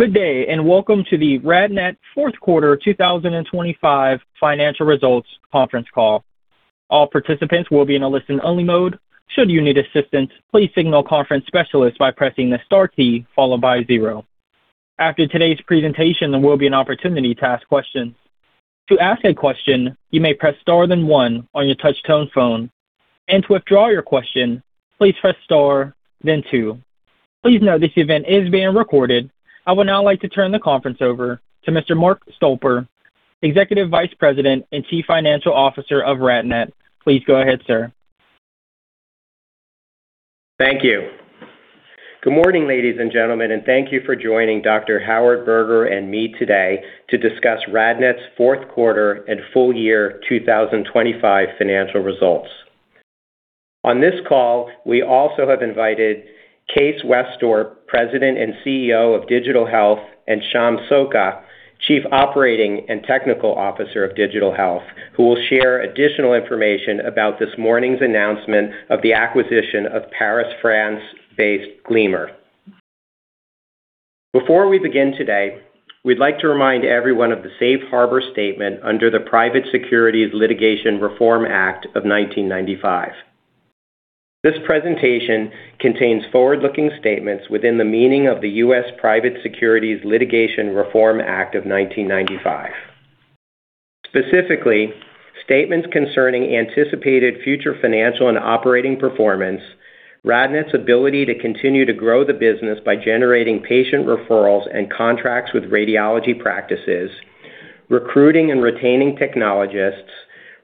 Good day, welcome to the RadNet Fourth Quarter 2025 Financial Results Conference Call. All participants will be in a listen-only mode. Should you need assistance, please signal conference specialist by pressing the star key followed by zero. After today's presentation, there will be an opportunity to ask questions. To ask a question, you may press star then one on your touch tone phone. To withdraw your question, please press star then two. Please note this event is being recorded. I would now like to turn the conference over to Mr. Mark Stolper, Executive Vice President and Chief Financial Officer of RadNet. Please go ahead, sir. Thank you. Good morning, ladies and gentlemen, and thank you for joining Dr. Howard Berger and me today to discuss RadNet's fourth quarter and full-year 2025 financial results. On this call, we also have invited Kees Wesdorp, President and CEO of Digital Health, and Sham Sokka, Chief Operating and Technical Officer of Digital Health, who will share additional information about this morning's announcement of the acquisition of Paris, France-based Gleamer. Before we begin today, we'd like to remind everyone of the safe harbor statement under the Private Securities Litigation Reform Act of 1995. This presentation contains forward-looking statements within the meaning of the U.S. Private Securities Litigation Reform Act of 1995. Specifically, statements concerning anticipated future financial and operating performance, RadNet's ability to continue to grow the business by generating patient referrals and contracts with radiology practices, recruiting and retaining technologists,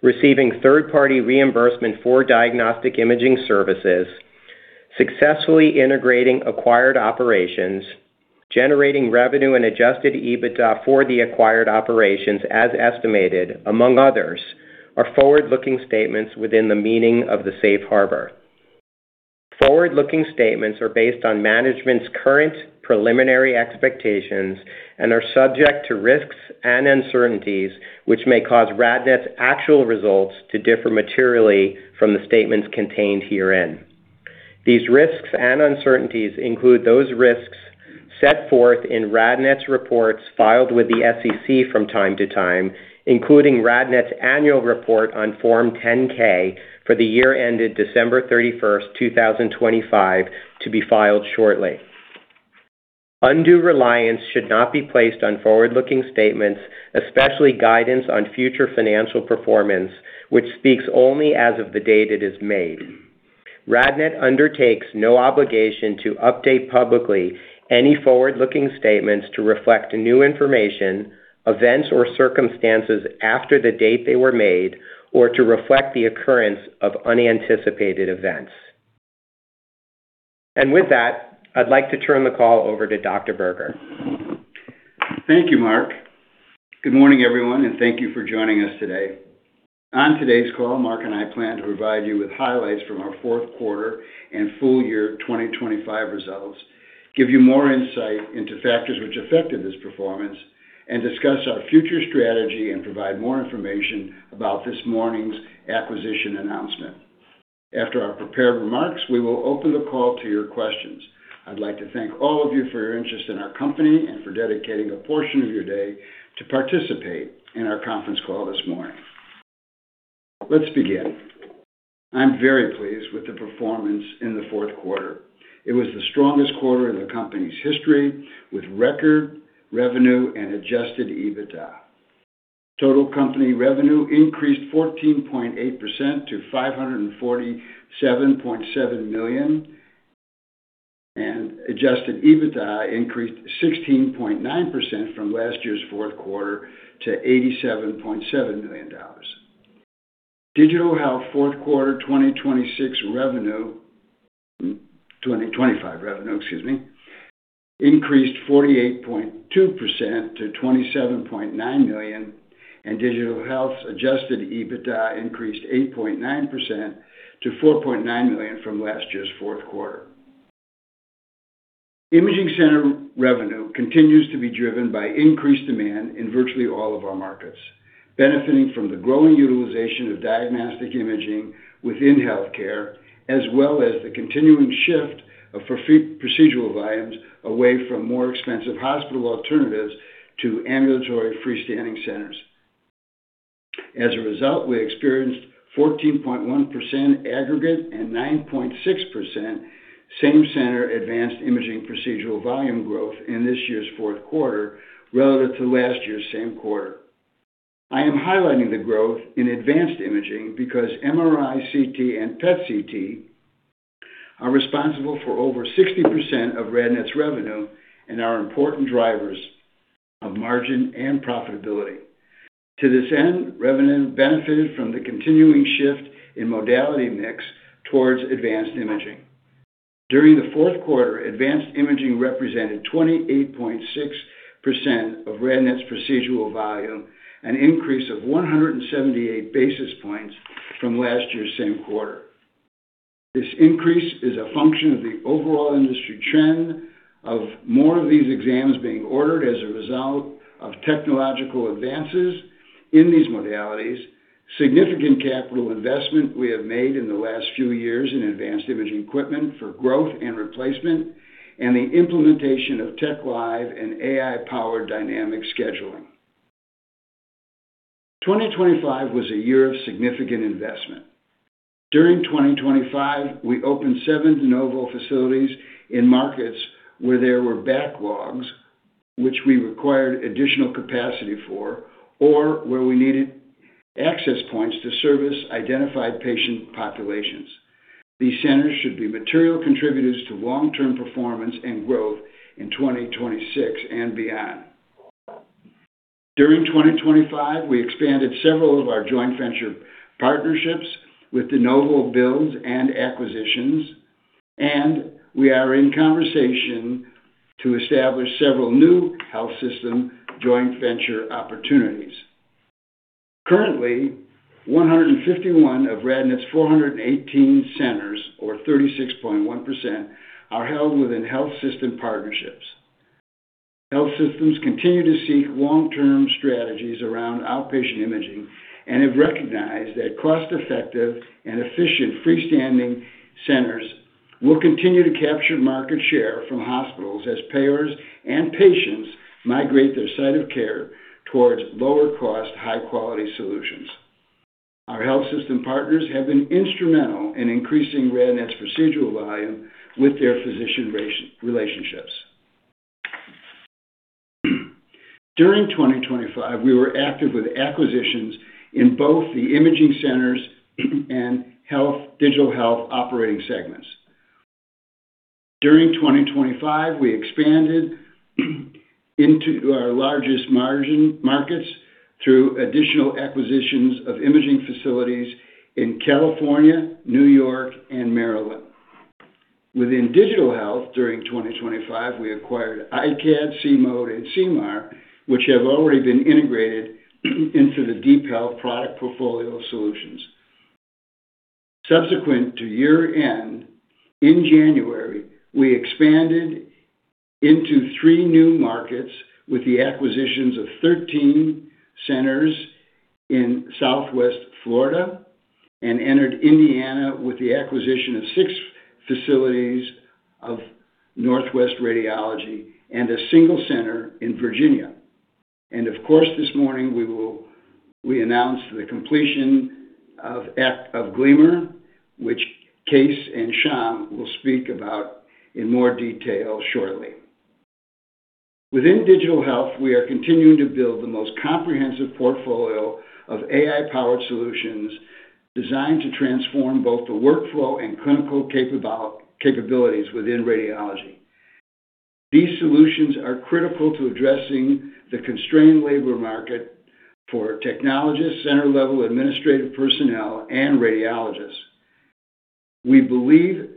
receiving third-party reimbursement for diagnostic imaging services, successfully integrating acquired operations, generating revenue and Adjusted EBITDA for the acquired operations as estimated, among others, are forward-looking statements within the meaning of the safe harbor. Forward-looking statements are based on management's current preliminary expectations and are subject to risks and uncertainties, which may cause RadNet's actual results to differ materially from the statements contained herein. These risks and uncertainties include those risks set forth in RadNet's reports filed with the SEC from time to time, including RadNet's annual report on Form 10-K for the year ended December 31st, 2025 to be filed shortly. Undue reliance should not be placed on forward-looking statements, especially guidance on future financial performance, which speaks only as of the date it is made. RadNet undertakes no obligation to update publicly any forward-looking statements to reflect new information, events or circumstances after the date they were made, or to reflect the occurrence of unanticipated events. With that, I'd like to turn the call over to Dr. Berger. Thank you, Mark. Good morning, everyone, thank you for joining us today. On today's call, Mark and I plan to provide you with highlights from our fourth quarter and full-year 2025 results, give you more insight into factors which affected this performance, and discuss our future strategy and provide more information about this morning's acquisition announcement. After our prepared remarks, we will open the call to your questions. I'd like to thank all of you for your interest in our company and for dedicating a portion of your day to participate in our conference call this morning. Let's begin. I'm very pleased with the performance in the fourth quarter. It was the strongest quarter in the company's history, with record revenue and Adjusted EBITDA. Total company revenue increased 14.8% to $547.7 million, and Adjusted EBITDA increased 16.9% from last year's fourth quarter to $87.7 million. Digital Health fourth quarter 2025 revenue, excuse me, increased 48.2% to $27.9 million, and Digital Health's Adjusted EBITDA increased 8.9% to $4.9 million from last year's fourth quarter. Imaging center revenue continues to be driven by increased demand in virtually all of our markets, benefiting from the growing utilization of diagnostic imaging within healthcare, as well as the continuing shift of procedural volumes away from more expensive hospital alternatives to ambulatory freestanding centers. As a result, we experienced 14.1% aggregate and 9.6% same-center advanced imaging procedural volume growth in this year's fourth quarter relative to last year's same quarter. I am highlighting the growth in advanced imaging because MRI, CT, and PET/CT are responsible for over 60% of RadNet's revenue and are important drivers of margin and profitability. To this end, revenue benefited from the continuing shift in modality mix towards advanced imaging. During the fourth quarter, advanced imaging represented 28.6% of RadNet's procedural volume, an increase of 178 basis points from last year's same quarter. This increase is a function of the overall industry trend of more of these exams being ordered as a result of technological advances in these modalities. Significant capital investment we have made in the last few years in advanced imaging equipment for growth and replacement, and the implementation of TechLive and AI-powered dynamic scheduling. 2025 was a year of significant investment. During 2025, we opened seven de novo facilities in markets where there were backlogs which we required additional capacity for, or where we needed access points to service identified patient populations. These centers should be material contributors to long-term performance and growth in 2026 and beyond. During 2025, we expanded several of our joint venture partnerships with de novo builds and acquisitions. We are in conversation to establish several new health system joint venture opportunities. Currently, 151 of RadNet's 418 centers, or 36.1%, are held within health system partnerships. Health systems continue to seek long-term strategies around outpatient imaging and have recognized that cost-effective and efficient freestanding centers will continue to capture market share from hospitals as payers and patients migrate their site of care towards lower cost, high-quality solutions. Our health system partners have been instrumental in increasing RadNet's procedural volume with their physician relationships. During 2025, we were active with acquisitions in both the imaging centers and Digital Health operating segments. During 2025, we expanded into our largest margin markets through additional acquisitions of imaging facilities in California, New York, and Maryland. Within Digital Health during 2025, we acquired iCAD, See-Mode, and CIMAR, which have already been integrated into the DeepHealth product portfolio solutions. Subsequent to year-end, in January, we expanded into three new markets with the acquisitions of 13 centers in Southwest Florida and entered Indiana with the acquisition of six facilities of Northwest Radiology and a single center in Virginia. Of course, this morning, we announced the completion of Gleamer, which Kees and Sham will speak about in more detail shortly. Within Digital Health, we are continuing to build the most comprehensive portfolio of AI-powered solutions designed to transform both the workflow and clinical capabilities within radiology. These solutions are critical to addressing the constrained labor market for technologists, center-level administrative personnel, and radiologists. We believe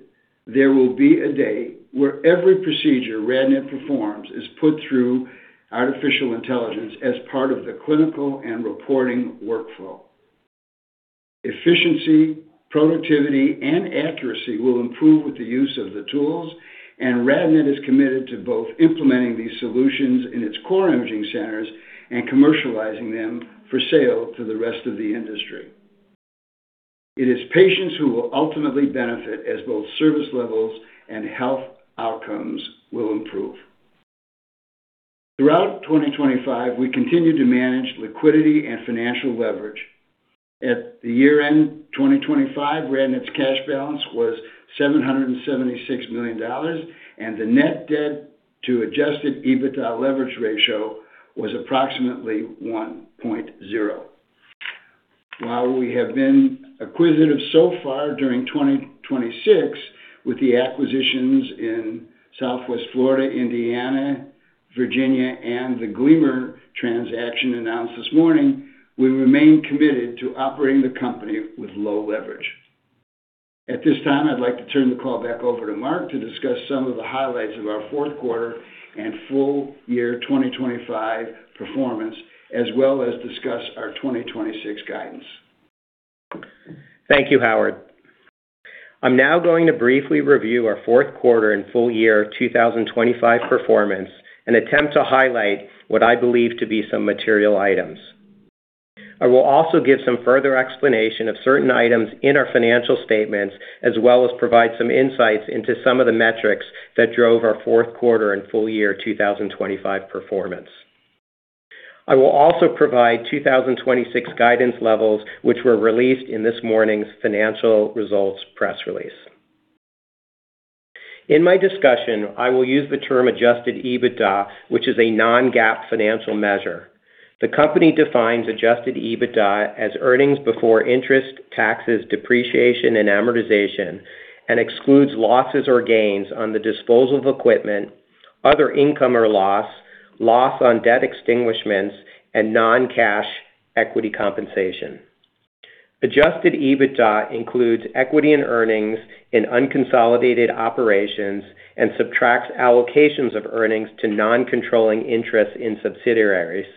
there will be a day where every procedure RadNet performs is put through artificial intelligence as part of the clinical and reporting workflow. Efficiency, productivity, and accuracy will improve with the use of the tools, and RadNet is committed to both implementing these solutions in its core imaging centers and commercializing them for sale to the rest of the industry. It is patients who will ultimately benefit as both service levels and health outcomes will improve. Throughout 2025, we continued to manage liquidity and financial leverage. At the year-end 2025, RadNet's cash balance was $776 million, and the net debt to Adjusted EBITDA leverage ratio was approximately 1.0x. While we have been acquisitive so far during 2026 with the acquisitions in Southwest Florida, Indiana, Virginia, and the Gleamer transaction announced this morning, we remain committed to operating the company with low leverage. At this time, I'd like to turn the call back over to Mark to discuss some of the highlights of our fourth quarter and full-year 2025 performance, as well as discuss our 2026 guidance. Thank you, Howard. I'm now going to briefly review our fourth quarter and full-year 2025 performance and attempt to highlight what I believe to be some material items. I will also give some further explanation of certain items in our financial statements, as well as provide some insights into some of the metrics that drove our fourth quarter and full year 2025 performance. I will also provide 2026 guidance levels, which were released in this morning's financial results press release. In my discussion, I will use the term Adjusted EBITDA, which is a non-GAAP financial measure. The company defines Adjusted EBITDA as earnings before interest, taxes, depreciation, and amortization, and excludes losses or gains on the disposal of equipment, other income or loss on debt extinguishments, and non-cash equity compensation. Adjusted EBITDA includes equity and earnings in unconsolidated operations and subtracts allocations of earnings to non-controlling interests in subsidiaries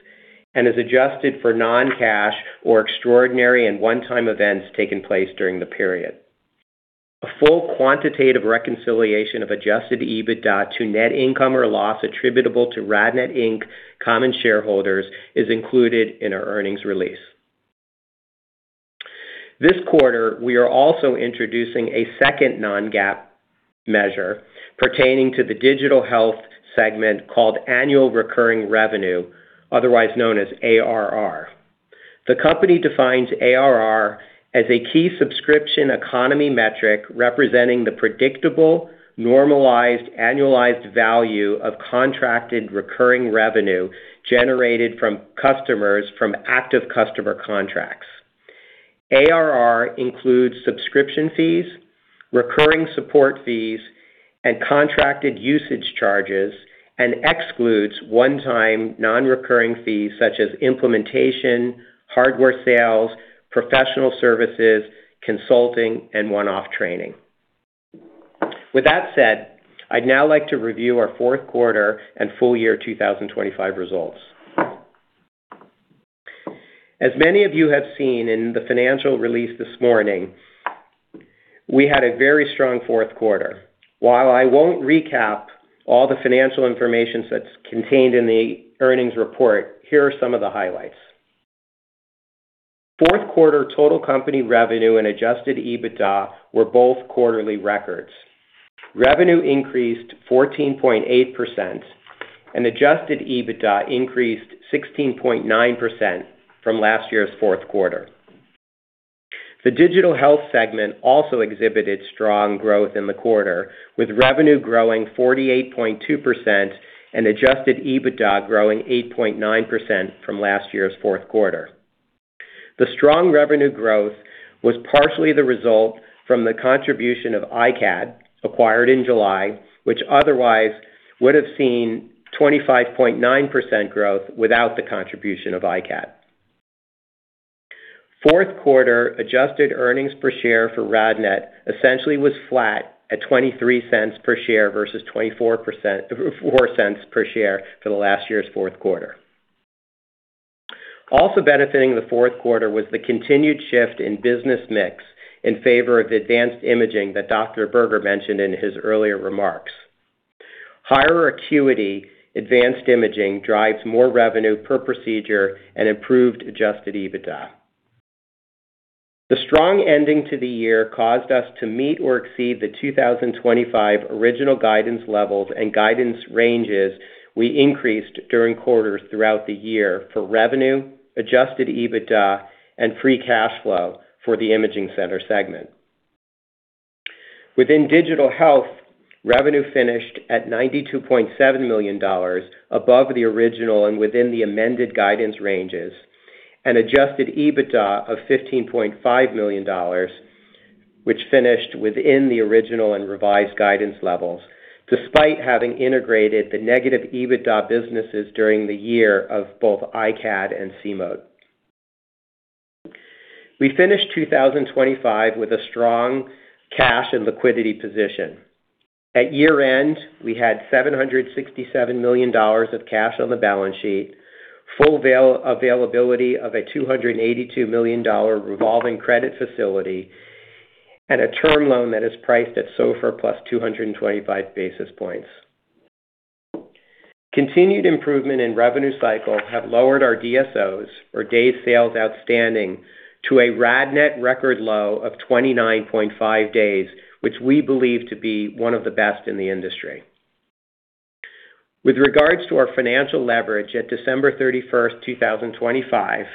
and is adjusted for non-cash or extraordinary and one-time events taking place during the period. A full quantitative reconciliation of Adjusted EBITDA to net income or loss attributable to RadNet, Inc. common shareholders is included in our earnings release. This quarter, we are also introducing a second non-GAAP measure pertaining to the Digital Health segment called annual recurring revenue, otherwise known as ARR. The company defines ARR as a key subscription economy metric representing the predictable, normalized, annualized value of contracted recurring revenue generated from customers from active customer contracts. ARR includes subscription fees, recurring support fees, and contracted usage charges, and excludes one-time non-recurring fees such as implementation, hardware sales, professional services, consulting, and one-off training. With that said, I'd now like to review our fourth quarter and full-year 2025 results. As many of you have seen in the financial release this morning, we had a very strong fourth quarter. While I won't recap all the financial information that's contained in the earnings report, here are some of the highlights. Fourth quarter total company revenue and Adjusted EBITDA were both quarterly records. Revenue increased 14.8%, and Adjusted EBITDA increased 16.9% from last year's fourth quarter. The Digital Health segment also exhibited strong growth in the quarter, with revenue growing 48.2% and Adjusted EBITDA growing 8.9% from last year's fourth quarter. The strong revenue growth was partially the result from the contribution of iCAD, acquired in July, which otherwise would have seen 25.9% growth without the contribution of iCAD. Fourth quarter adjusted earnings per share for RadNet essentially was flat at $0.23 per share versus $0.04 per share for the last year's fourth quarter. Also benefiting the fourth quarter was the continued shift in business mix in favor of advanced imaging that Dr. Berger mentioned in his earlier remarks. Higher acuity advanced imaging drives more revenue per procedure and improved Adjusted EBITDA. The strong ending to the year caused us to meet or exceed the 2025 original guidance levels and guidance ranges we increased during quarters throughout the year for revenue, Adjusted EBITDA, and free cash flow for the imaging center segment. Within Digital Health, revenue finished at $92.7 million above the original and within the amended guidance ranges, and Adjusted EBITDA of $15.5 million, which finished within the original and revised guidance levels, despite having integrated the negative EBITDA businesses during the year of both iCAD and See-Mode. We finished 2025 with a strong cash and liquidity position. At year-end, we had $767 million of cash on the balance sheet, full availability of a $282 million revolving credit facility, and a term loan that is priced at SOFR plus 225 basis points. Continued improvement in revenue cycles have lowered our DSOs, or Days Sales Outstanding, to a RadNet record low of 29.5 days, which we believe to be one of the best in the industry. With regards to our financial leverage at December 31st, 2025,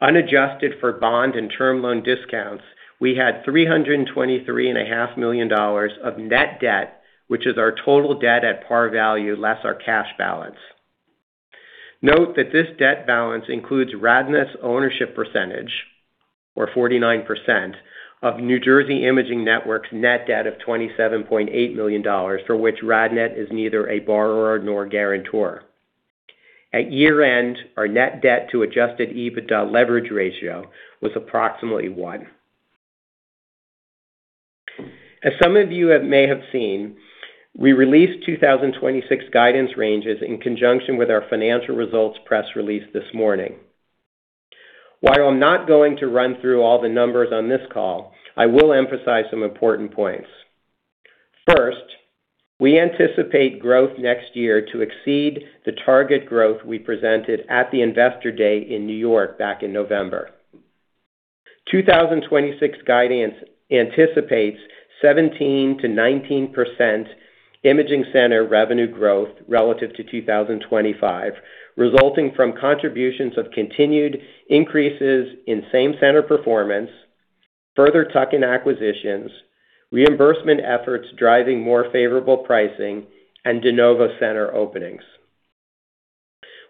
unadjusted for bond and term loan discounts, we had $323.5 million of net debt, which is our total debt at par value less our cash balance. Note that this debt balance includes RadNet's ownership percentage, or 49%, of New Jersey Imaging Network's net debt of $27.8 million, for which RadNet is neither a borrower nor guarantor. At year-end, our net debt to Adjusted EBITDA leverage ratio was approximately 1x. As some of you may have seen, we released 2026 guidance ranges in conjunction with our financial results press release this morning. While I'm not going to run through all the numbers on this call, I will emphasize some important points. We anticipate growth next year to exceed the target growth we presented at the Investor Day in New York back in November. 2026 guidance anticipates 17%-19% imaging center revenue growth relative to 2025, resulting from contributions of continued increases in same center performance, further tuck-in acquisitions, reimbursement efforts driving more favorable pricing, and de novo center openings.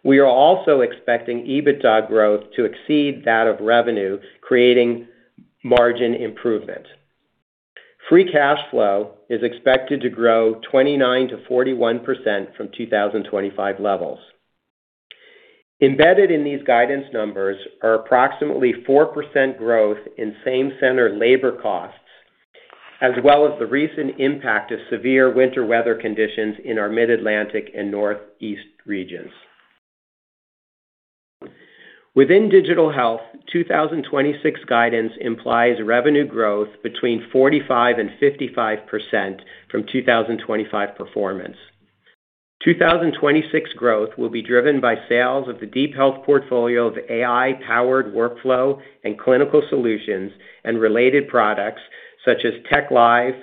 We are also expecting EBITDA growth to exceed that of revenue, creating margin improvement. Free cash flow is expected to grow 29%-41% from 2025 levels. Embedded in these guidance numbers are approximately 4% growth in same center labor costs, as well as the recent impact of severe winter weather conditions in our Mid-Atlantic and Northeast regions. Within Digital Health, 2026 guidance implies revenue growth between 45% and 55% from 2025 performance. 2026 growth will be driven by sales of the DeepHealth portfolio of AI-powered workflow and clinical solutions and related products such as TechLive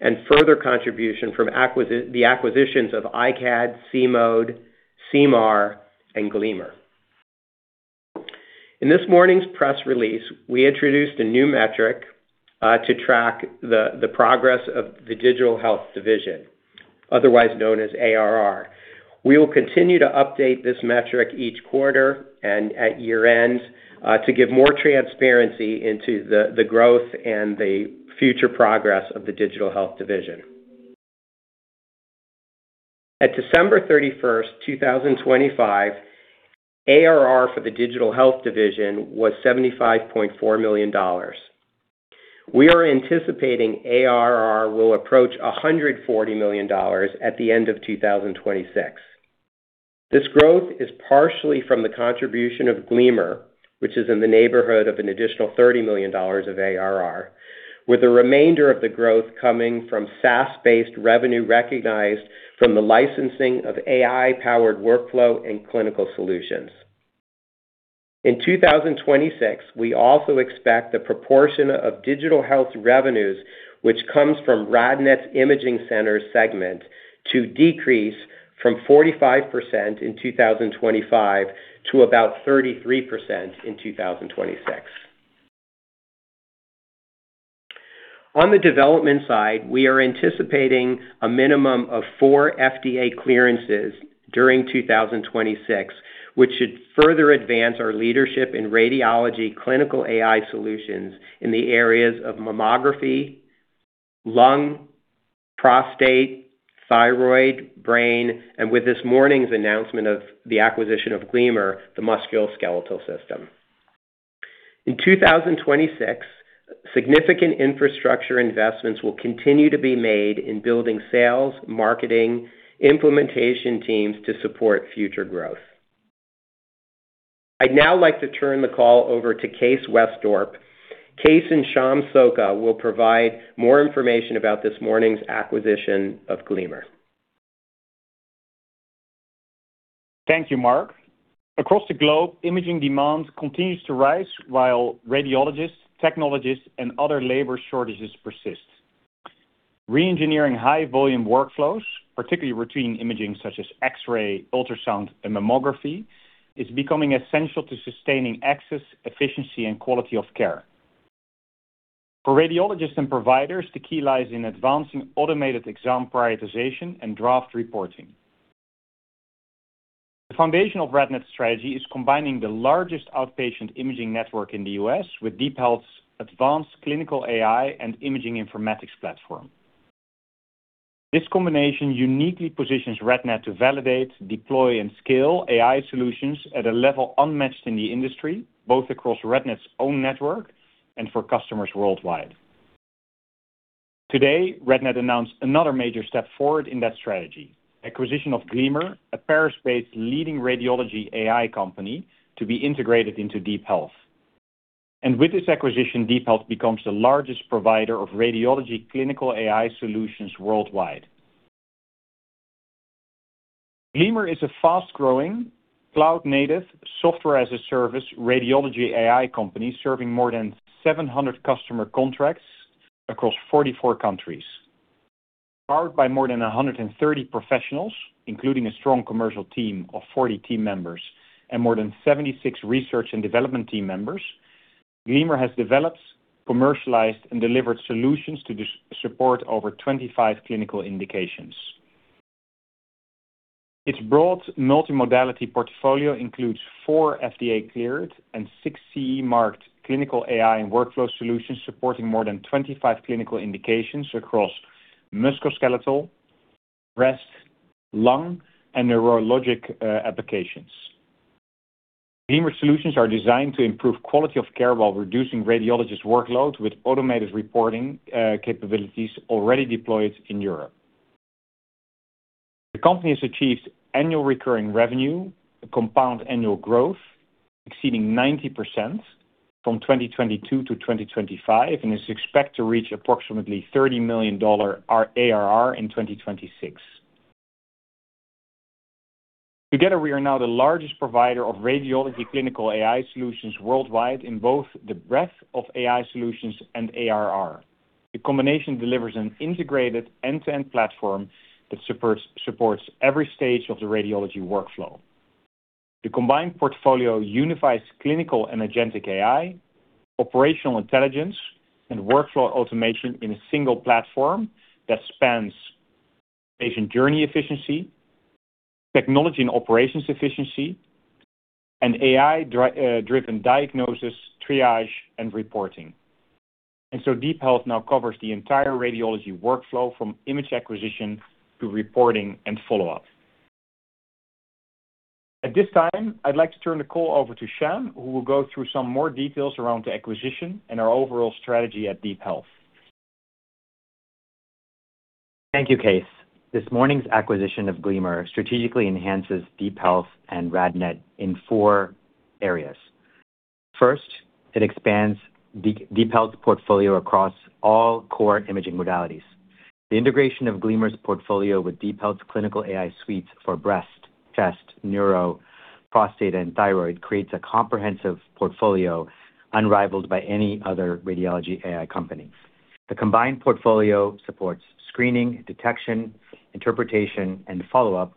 and further contribution from the acquisitions of iCAD, See-Mode, CIMAR and Gleamer. In this morning's press release, we introduced a new metric to track the progress of the Digital Health division, otherwise known as ARR. We will continue to update this metric each quarter and at year-end to give more transparency into the growth and the future progress of the Digital Health division. At December 31st, 2025, ARR for the Digital Health division was $75.4 million. We are anticipating ARR will approach $140 million at the end of 2026. This growth is partially from the contribution of Gleamer, which is in the neighborhood of an additional $30 million of ARR, with the remainder of the growth coming from SaaS-based revenue recognized from the licensing of AI-powered workflow and clinical solutions. In 2026, we also expect the proportion of Digital Health revenues, which comes from RadNet's imaging centers segment, to decrease from 45% in 2025 to about 33% in 2026. On the development side, we are anticipating a minimum of four FDA clearances during 2026, which should further advance our leadership in radiology clinical AI solutions in the areas of mammography, lung, prostate, thyroid, brain, and with this morning's announcement of the acquisition of Gleamer, the musculoskeletal system. In 2026, significant infrastructure investments will continue to be made in building sales, marketing, implementation teams to support future growth. I'd now like to turn the call over to Kees Wesdorp. Kees and Sham Sokka will provide more information about this morning's acquisition of Gleamer. Thank you, Mark. Across the globe, imaging demand continues to rise while radiologists, technologists, and other labor shortages persist. Re-engineering high volume workflows, particularly routine imaging such as X-ray, ultrasound, and mammography, is becoming essential to sustaining access, efficiency, and quality of care. For radiologists and providers, the key lies in advancing automated exam prioritization and draft reporting. The foundation of RadNet's strategy is combining the largest outpatient imaging network in the U.S. with DeepHealth's advanced clinical AI and imaging informatics platform. This combination uniquely positions RadNet to validate, deploy, and scale AI solutions at a level unmatched in the industry, both across RadNet's own network and for customers worldwide. Today, RadNet announced another major step forward in that strategy. Acquisition of Gleamer, a Paris-based leading radiology AI company to be integrated into DeepHealth. With this acquisition, DeepHealth becomes the largest provider of radiology clinical AI solutions worldwide. Gleamer is a fast-growing cloud-native software-as-a-service radiology AI company serving more than 700 customer contracts across 44 countries. Powered by more than 130 professionals, including a strong commercial team of 40 team members and more than 76 research and development team members, Gleamer has developed, commercialized, and delivered solutions to dis-support over 25 clinical indications. Its broad multimodality portfolio includes four FDA-cleared and six CE-marked clinical AI and workflow solutions, supporting more than 25 clinical indications across musculoskeletal, breast, lung, and neurologic applications. Gleamer solutions are designed to improve quality of care while reducing radiologists' workloads with automated reporting capabilities already deployed in Europe. The company has achieved annual recurring revenue, a compound annual growth exceeding 90% from 2022 to 2025, and is expected to reach approximately $30 million ARR in 2026. Together, we are now the largest provider of radiology clinical AI solutions worldwide in both the breadth of AI solutions and ARR. The combination delivers an integrated end-to-end platform that supports every stage of the radiology workflow. The combined portfolio unifies clinical and agentic AI, operational intelligence, and workflow automation in a single platform that spans patient journey efficiency, technology and operations efficiency, and AI driven diagnosis, triage, and reporting. DeepHealth now covers the entire radiology workflow from image acquisition to reporting and follow-up. At this time, I'd like to turn the call over to Sham, who will go through some more details around the acquisition and our overall strategy at DeepHealth. Thank you, Kees. This morning's acquisition of Gleamer strategically enhances DeepHealth's and RadNet in four areas. First, it expands DeepHealth's portfolio across all core imaging modalities. The integration of Gleamer's portfolio with DeepHealth's clinical AI suites for breast, chest, neuro, prostate, and thyroid creates a comprehensive portfolio unrivaled by any other radiology AI company. The combined portfolio supports screening, detection, interpretation, and follow-up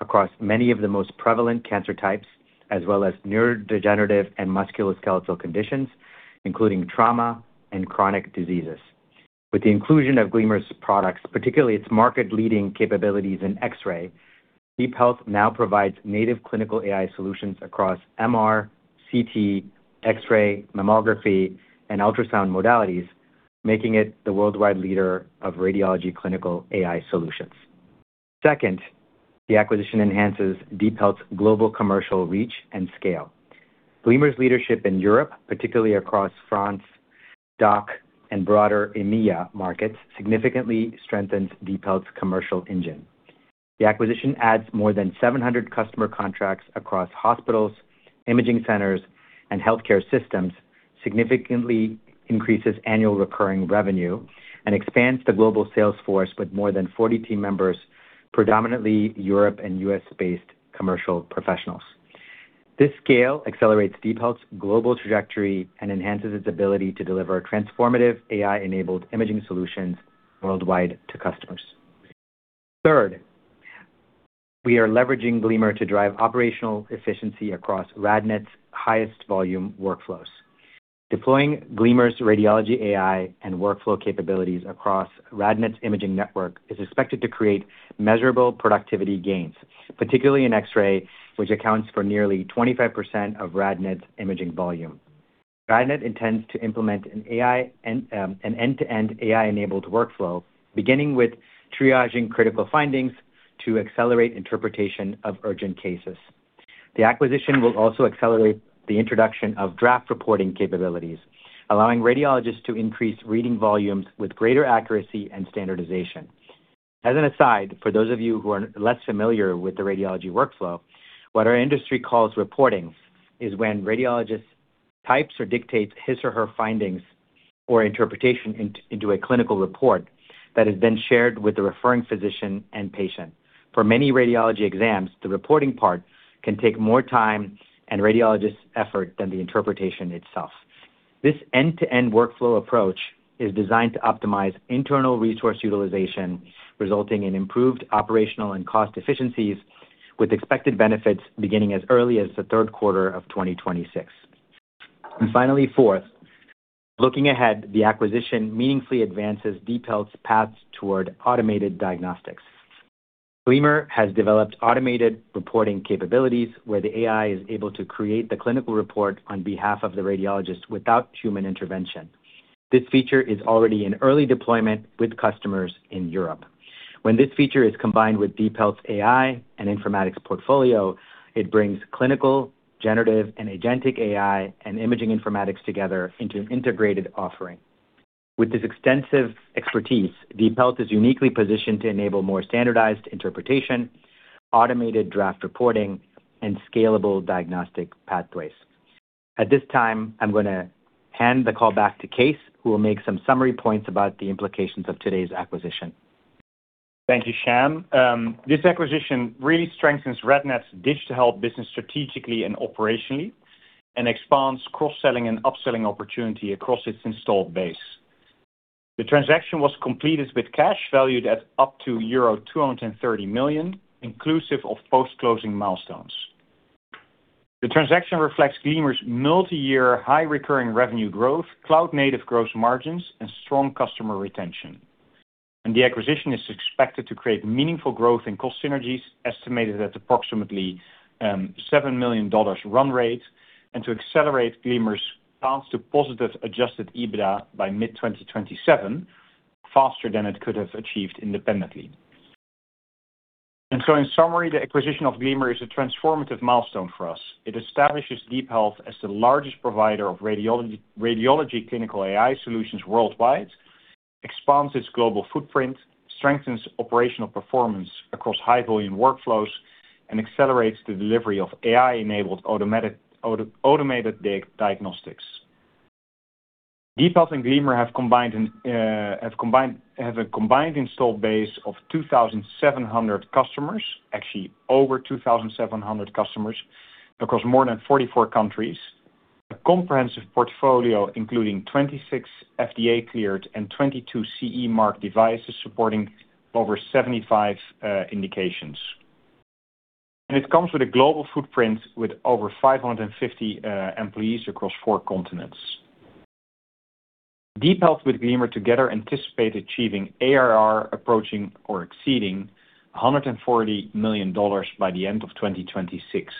across many of the most prevalent cancer types, as well as neurodegenerative and musculoskeletal conditions, including trauma and chronic diseases. With the inclusion of Gleamer's products, particularly its market-leading capabilities in X-ray, DeepHealth now provides native clinical AI solutions across MR, CT, X-ray, mammography, and ultrasound modalities, making it the worldwide leader of radiology clinical AI solutions. Second, the acquisition enhances DeepHealth's global commercial reach and scale. Gleamer's leadership in Europe, particularly across France, DACH, and broader EMEA markets, significantly strengthens DeepHealth's commercial engine. The acquisition adds more than 700 customer contracts across hospitals, imaging centers, and healthcare systems, significantly increases annual recurring revenue, and expands the global sales force with more than 40 team members, predominantly Europe and U.S.-based commercial professionals. This scale accelerates DeepHealth's global trajectory and enhances its ability to deliver transformative AI-enabled imaging solutions worldwide to customers. Third, we are leveraging Gleamer to drive operational efficiency across RadNet's highest volume workflows. Deploying Gleamer's radiology AI and workflow capabilities across RadNet's imaging network is expected to create measurable productivity gains, particularly in X-ray, which accounts for nearly 25% of RadNet's imaging volume. RadNet intends to implement an AI and an end-to-end AI-enabled workflow, beginning with triaging critical findings to accelerate interpretation of urgent cases. The acquisition will also accelerate the introduction of draft reporting capabilities, allowing radiologists to increase reading volumes with greater accuracy and standardization. As an aside, for those of you who are less familiar with the radiology workflow, what our industry calls reporting is when radiologist types or dictates his or her findings or interpretation into a clinical report that is then shared with the referring physician and patient. For many radiology exams, the reporting part can take more time and radiologist effort than the interpretation itself. This end-to-end workflow approach is designed to optimize internal resource utilization, resulting in improved operational and cost efficiencies with expected benefits beginning as early as the third quarter of 2026. Finally, fourth, looking ahead, the acquisition meaningfully advances DeepHealth's paths toward automated diagnostics. Gleamer has developed automated reporting capabilities where the AI is able to create the clinical report on behalf of the radiologist without human intervention. This feature is already in early deployment with customers in Europe. When this feature is combined with DeepHealth's AI and informatics portfolio, it brings clinical, generative, and agentic AI and imaging informatics together into an integrated offering. With this extensive expertise, DeepHealth is uniquely positioned to enable more standardized interpretation, automated draft reporting, and scalable diagnostic pathways. At this time, I'm gonna hand the call back to Kees, who will make some summary points about the implications of today's acquisition. Thank you, Sham. This acquisition really strengthens RadNet's Digital Health business strategically and operationally and expands cross-selling and upselling opportunity across its installed base. The transaction was completed with cash valued at up to euro 230 million, inclusive of post-closing milestones. The transaction reflects Gleamer's multi-year high recurring revenue growth, cloud-native gross margins, and strong customer retention. The acquisition is expected to create meaningful growth in cost synergies, estimated at approximately $7 million run rate, and to accelerate Gleamer's path to positive Adjusted EBITDA by mid 2027, faster than it could have achieved independently. In summary, the acquisition of Gleamer is a transformative milestone for us. It establishes DeepHealth as the largest provider of radiology clinical AI solutions worldwide, expands its global footprint, strengthens operational performance across high-volume workflows, and accelerates the delivery of AI-enabled automated diagnostics. DeepHealth and Gleamer have combined and have a combined installed base of 2,700 customers. Actually, over 2,700 customers across more than 44 countries. A comprehensive portfolio including 26 FDA cleared and 22 CE mark devices supporting over 75 indications. It comes with a global footprint with over 550 employees across four continents. DeepHealth with Gleamer together anticipate achieving ARR approaching or exceeding $140 million by the end of 2026.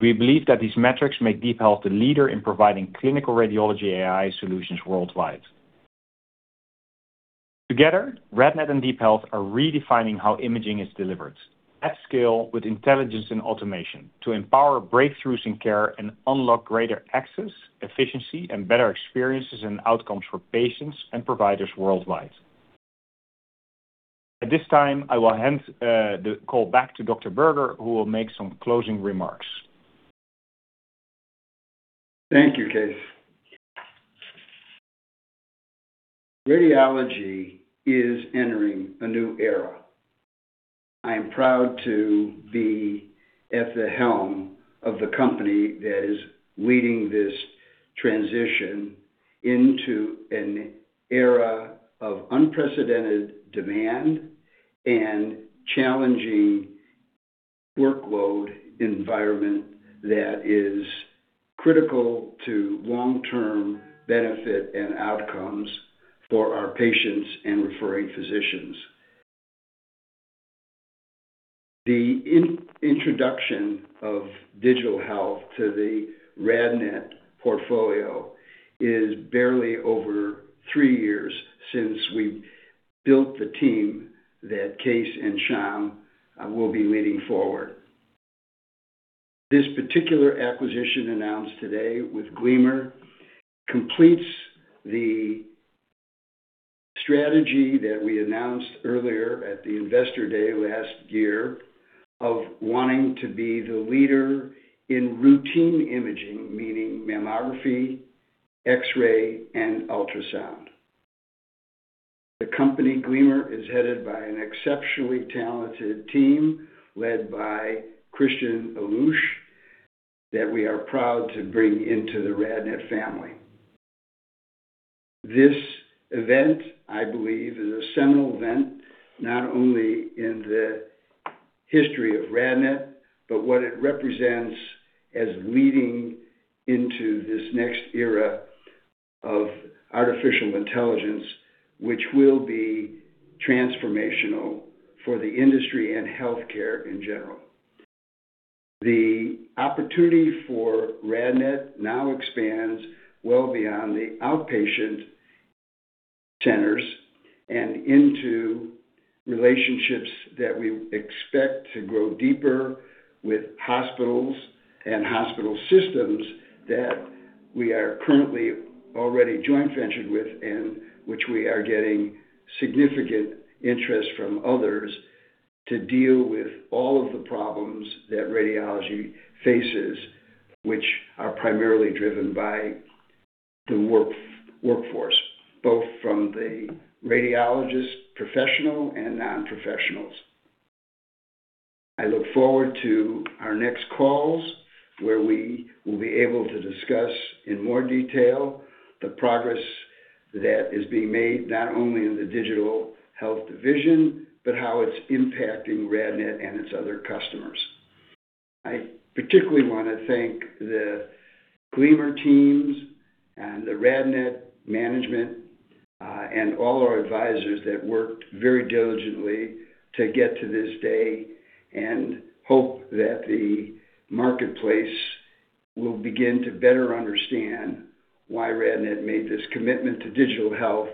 We believe that these metrics make DeepHealth the leader in providing clinical radiology AI solutions worldwide. Together, RadNet and DeepHealth are redefining how imaging is delivered at scale with intelligence and automation to empower breakthroughs in care and unlock greater access, efficiency, and better experiences and outcomes for patients and providers worldwide. At this time, I will hand the call back to Dr. Berger, who will make some closing remarks. Thank you, Kees. Radiology is entering a new era. I am proud to be at the helm of the company that is leading this transition into an era of unprecedented demand and challenging workload environment that is critical to long-term benefit and outcomes for our patients and referring physicians. The introduction of Digital Health to the RadNet portfolio is barely over three years since we built the team that Kees and Sham will be leading forward. This particular acquisition announced today with Gleamer completes the strategy that we announced earlier at the Investor Day last year of wanting to be the leader in routine imaging, meaning mammography, X-ray, and ultrasound. The company, Gleamer, is headed by an exceptionally talented team led by Christian Allouche, that we are proud to bring into the RadNet family. This event, I believe, is a seminal event, not only in the history of RadNet, but what it represents as leading into this next era of artificial intelligence, which will be transformational for the industry and healthcare in general. The opportunity for RadNet now expands well beyond the outpatient centers and into relationships that we expect to grow deeper with hospitals and hospital systems that we are currently already joint ventured with and which we are getting significant interest from others to deal with all of the problems that radiology faces, which are primarily driven by the workforce, both from the radiologist professional and non-professionals. I look forward to our next calls, where we will be able to discuss in more detail the progress that is being made, not only in the Digital Health division, but how it's impacting RadNet and its other customers. I particularly wanna thank the Gleamer teams and the RadNet management, and all our advisors that worked very diligently to get to this day and hope that the marketplace will begin to better understand why RadNet made this commitment to Digital Health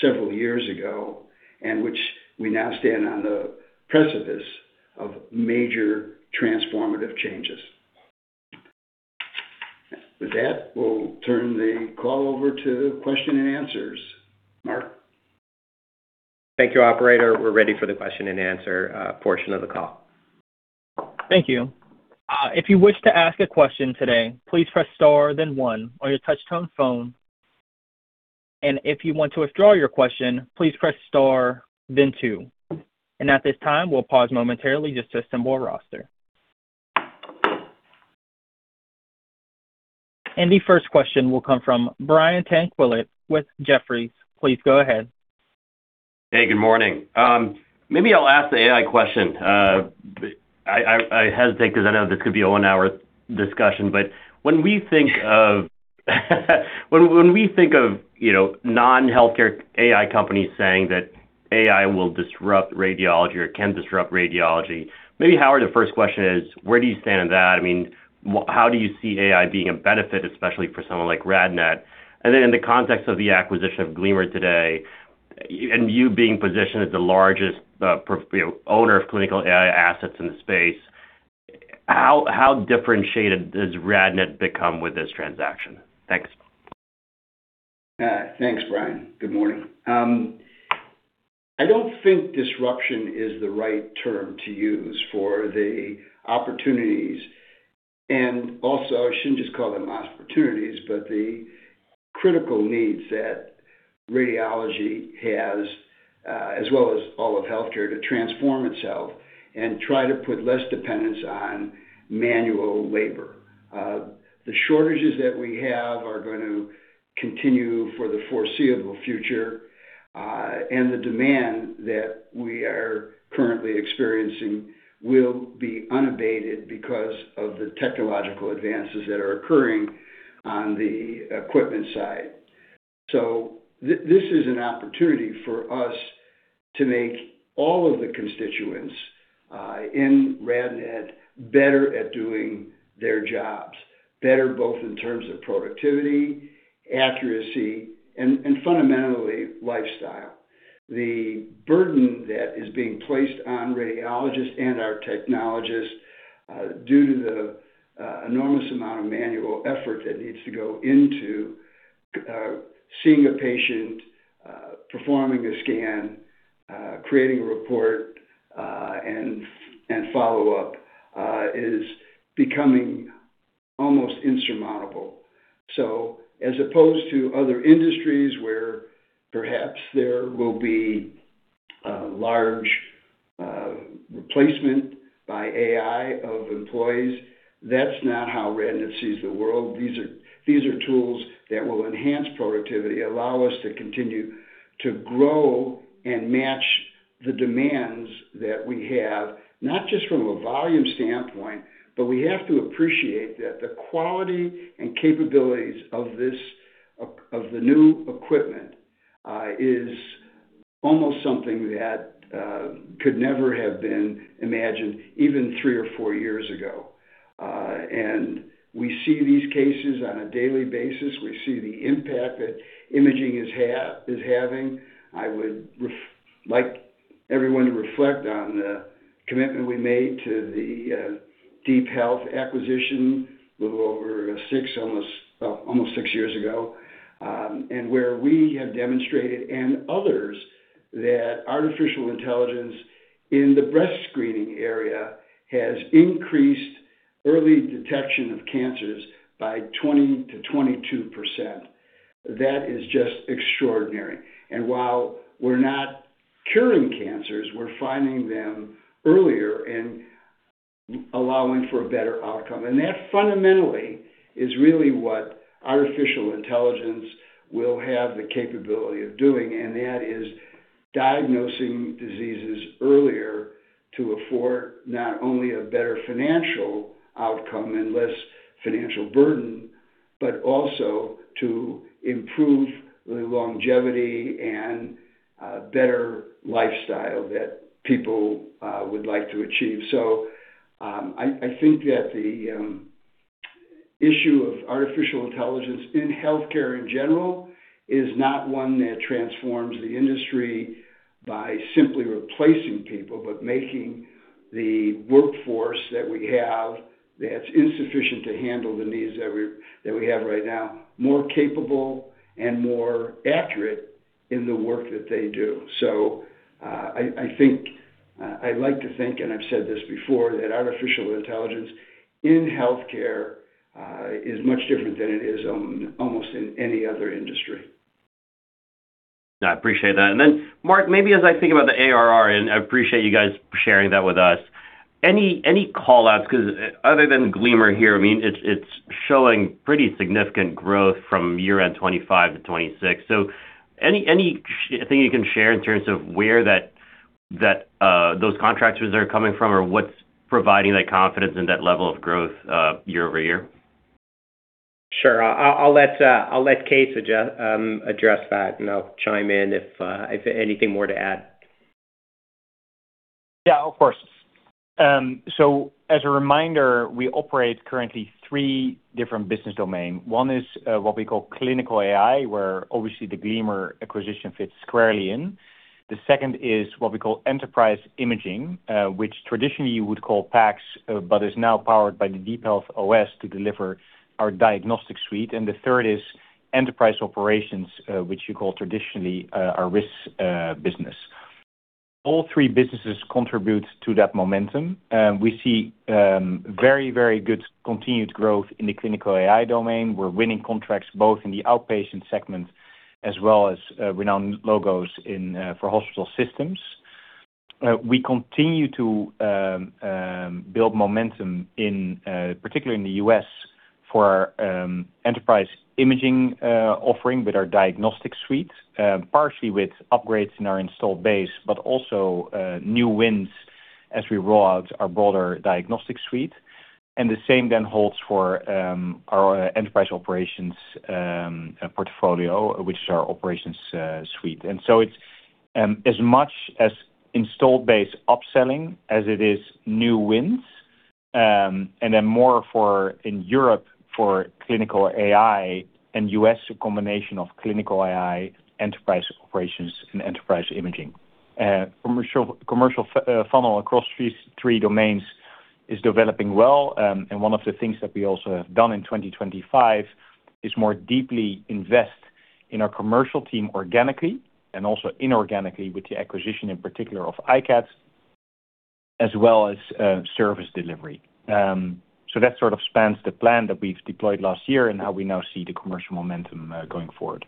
several years ago, and which we now stand on the precipice of major transformative changes. With that, we'll turn the call over to question and answers. Mark? Thank you, operator. We're ready for the question-and-answer portion of the call. Thank you. If you wish to ask a question today, please press star then one on your touch-tone phone. If you want to withdraw your question, please press star then two. At this time, we'll pause momentarily just to assemble a roster. The first question will come from Brian Tanquilut with Jefferies. Please go ahead. Hey, good morning. Maybe I'll ask the AI question. I hesitate 'cause I know this could be a one-hour discussion. When we think of, you know, non-healthcare AI companies saying that AI will disrupt radiology or can disrupt radiology, maybe, Howard, the first question is, where do you stand on that? I mean, how do you see AI being a benefit, especially for someone like RadNet? Then in the context of the acquisition of Gleamer today, and you being positioned as the largest pro, you know, owner of clinical AI assets in the space, how differentiated has RadNet become with this transaction? Thanks. Thanks, Brian. Good morning. I don't think disruption is the right term to use for the opportunities. Also I shouldn't just call them opportunities, but the critical needs that radiology has, as well as all of healthcare to transform itself and try to put less dependence on manual labor. The shortages that we have are going to continue for the foreseeable future, the demand that we are currently experiencing will be unabated because of the technological advances that are occurring on the equipment side. This is an opportunity for us to make all of the constituents in RadNet better at doing their jobs, better both in terms of productivity, accuracy, and fundamentally, lifestyle. The burden that is being placed on radiologists and our technologists, due to the enormous amount of manual effort that needs to go into seeing a patient, performing a scan, creating a report, and follow-up is becoming almost insurmountable. As opposed to other industries where perhaps there will be large replacement by AI of employees, that's not how RadNet sees the world. These are tools that will enhance productivity, allow us to continue to grow and match the demands that we have, not just from a volume standpoint, but we have to appreciate that the quality and capabilities of the new equipment is almost something that could never have been imagined even three or four years ago. And we see these cases on a daily basis. We see the impact that imaging is having. I would like everyone to reflect on the commitment we made to the DeepHealth acquisition little over six, almost six years ago, and where we have demonstrated, and others, that artificial intelligence in the breast screening area has increased early detection of cancers by 20%-22%. That is just extraordinary. While we're not curing cancers, we're finding them earlier and allowing for a better outcome. That fundamentally is really what artificial intelligence will have the capability of doing, and that is diagnosing diseases earlier to afford not only a better financial outcome and less financial burden, but also to improve the longevity and better lifestyle that people would like to achieve. I think that the issue of artificial intelligence in healthcare in general is not one that transforms the industry by simply replacing people, but making the workforce that we have that's insufficient to handle the needs that we have right now, more capable and more accurate in the work that they do. I think I'd like to think, and I've said this before, that artificial intelligence in healthcare is much different than it is almost in any other industry. I appreciate that. Mark, maybe as I think about the ARR, and I appreciate you guys sharing that with us. Any, any call-outs? Other than Gleamer here, I mean, it's showing pretty significant growth from year-end 2025 to 2026. Any, anything you can share in terms of where that, those contractors are coming from or what's providing that confidence and that level of growth year-over-year? Sure. I'll let Kees address that, and I'll chime in if anything more to add. Yeah, of course. As a reminder, we operate currently three different business domain. One is what we call Clinical AI, where obviously the Gleamer acquisition fits squarely in. The second is what we call Enterprise Imaging, which traditionally you would call PACS, is now powered by the DeepHealth OS to deliver our Diagnostic Suite. The third is Enterprise Operations, which you call traditionally our risk business. All three businesses contribute to that momentum. We see very, very good continued growth in the Clinical AI domain. We're winning contracts both in the outpatient segment as well as renowned logos in for hospital systems. We continue to build momentum in particularly in the U.S. for enterprise imaging offering with our Diagnostic Suite, partially with upgrades in our installed base, but also new wins as we roll out our broader Diagnostic Suite. The same then holds for our Enterprise Operations portfolio, which is our Operations Suite. So it's as much as installed base upselling as it is new wins, and then more for in Europe for clinical AI and U.S., a combination of clinical AI, Enterprise Operations and enterprise imaging. Commercial funnel across these three domains is developing well. One of the things that we also have done in 2025 is more deeply invest in our commercial team organically and also inorganically with the acquisition in particular of iCAD as well as service delivery. That sort of spans the plan that we've deployed last year and how we now see the commercial momentum going forward.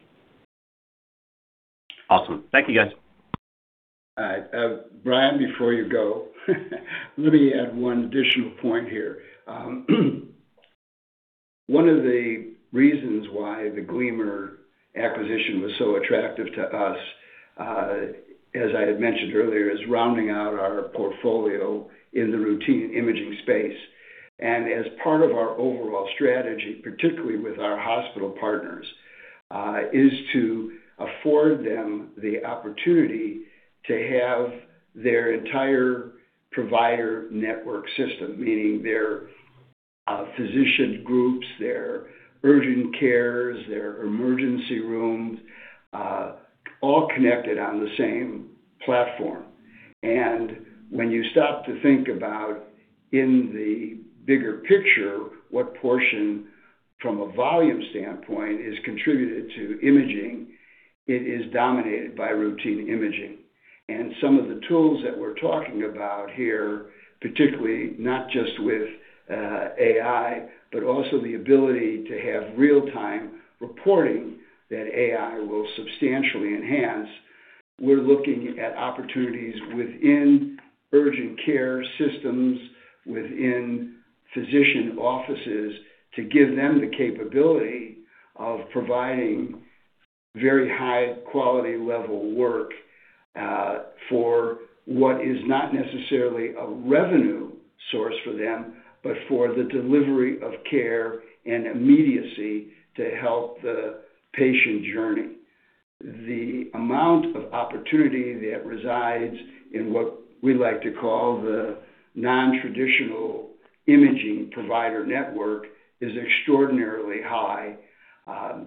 Awesome. Thank you, guys. All right. Brian, before you go, let me add one additional point here. One of the reasons why the Gleamer acquisition was so attractive to us, as I had mentioned earlier, is rounding out our portfolio in the routine imaging space. As part of our overall strategy, particularly with our hospital partners, is to afford them the opportunity to have their entire provider network system, meaning their Physician groups, their urgent cares, their emergency rooms, all connected on the same platform. When you stop to think about in the bigger picture, what portion from a volume standpoint is contributed to imaging, it is dominated by routine imaging. Some of the tools that we're talking about here, particularly not just with AI, but also the ability to have real-time reporting that AI will substantially enhance. We're looking at opportunities within urgent care systems, within physician offices to give them the capability of providing very high quality level work, for what is not necessarily a revenue source for them, but for the delivery of care and immediacy to help the patient journey. The amount of opportunity that resides in what we like to call the nontraditional imaging provider network is extraordinarily high.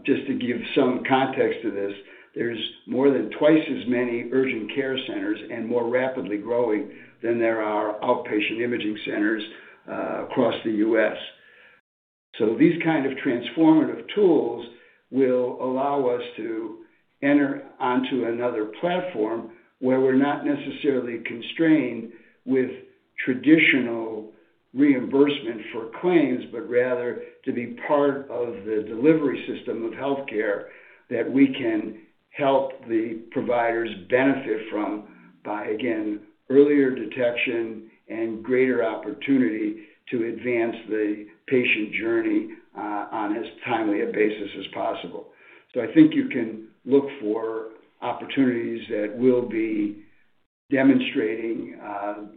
Just to give some context to this, there's more than twice as many urgent care centers and more rapidly growing than there are outpatient imaging centers, across the U.S. These kind of transformative tools will allow us to enter onto another platform where we're not necessarily constrained with traditional reimbursement for claims, but rather to be part of the delivery system of healthcare that we can help the providers benefit from by, again, earlier detection and greater opportunity to advance the patient journey on as timely a basis as possible. I think you can look for opportunities that we'll be demonstrating,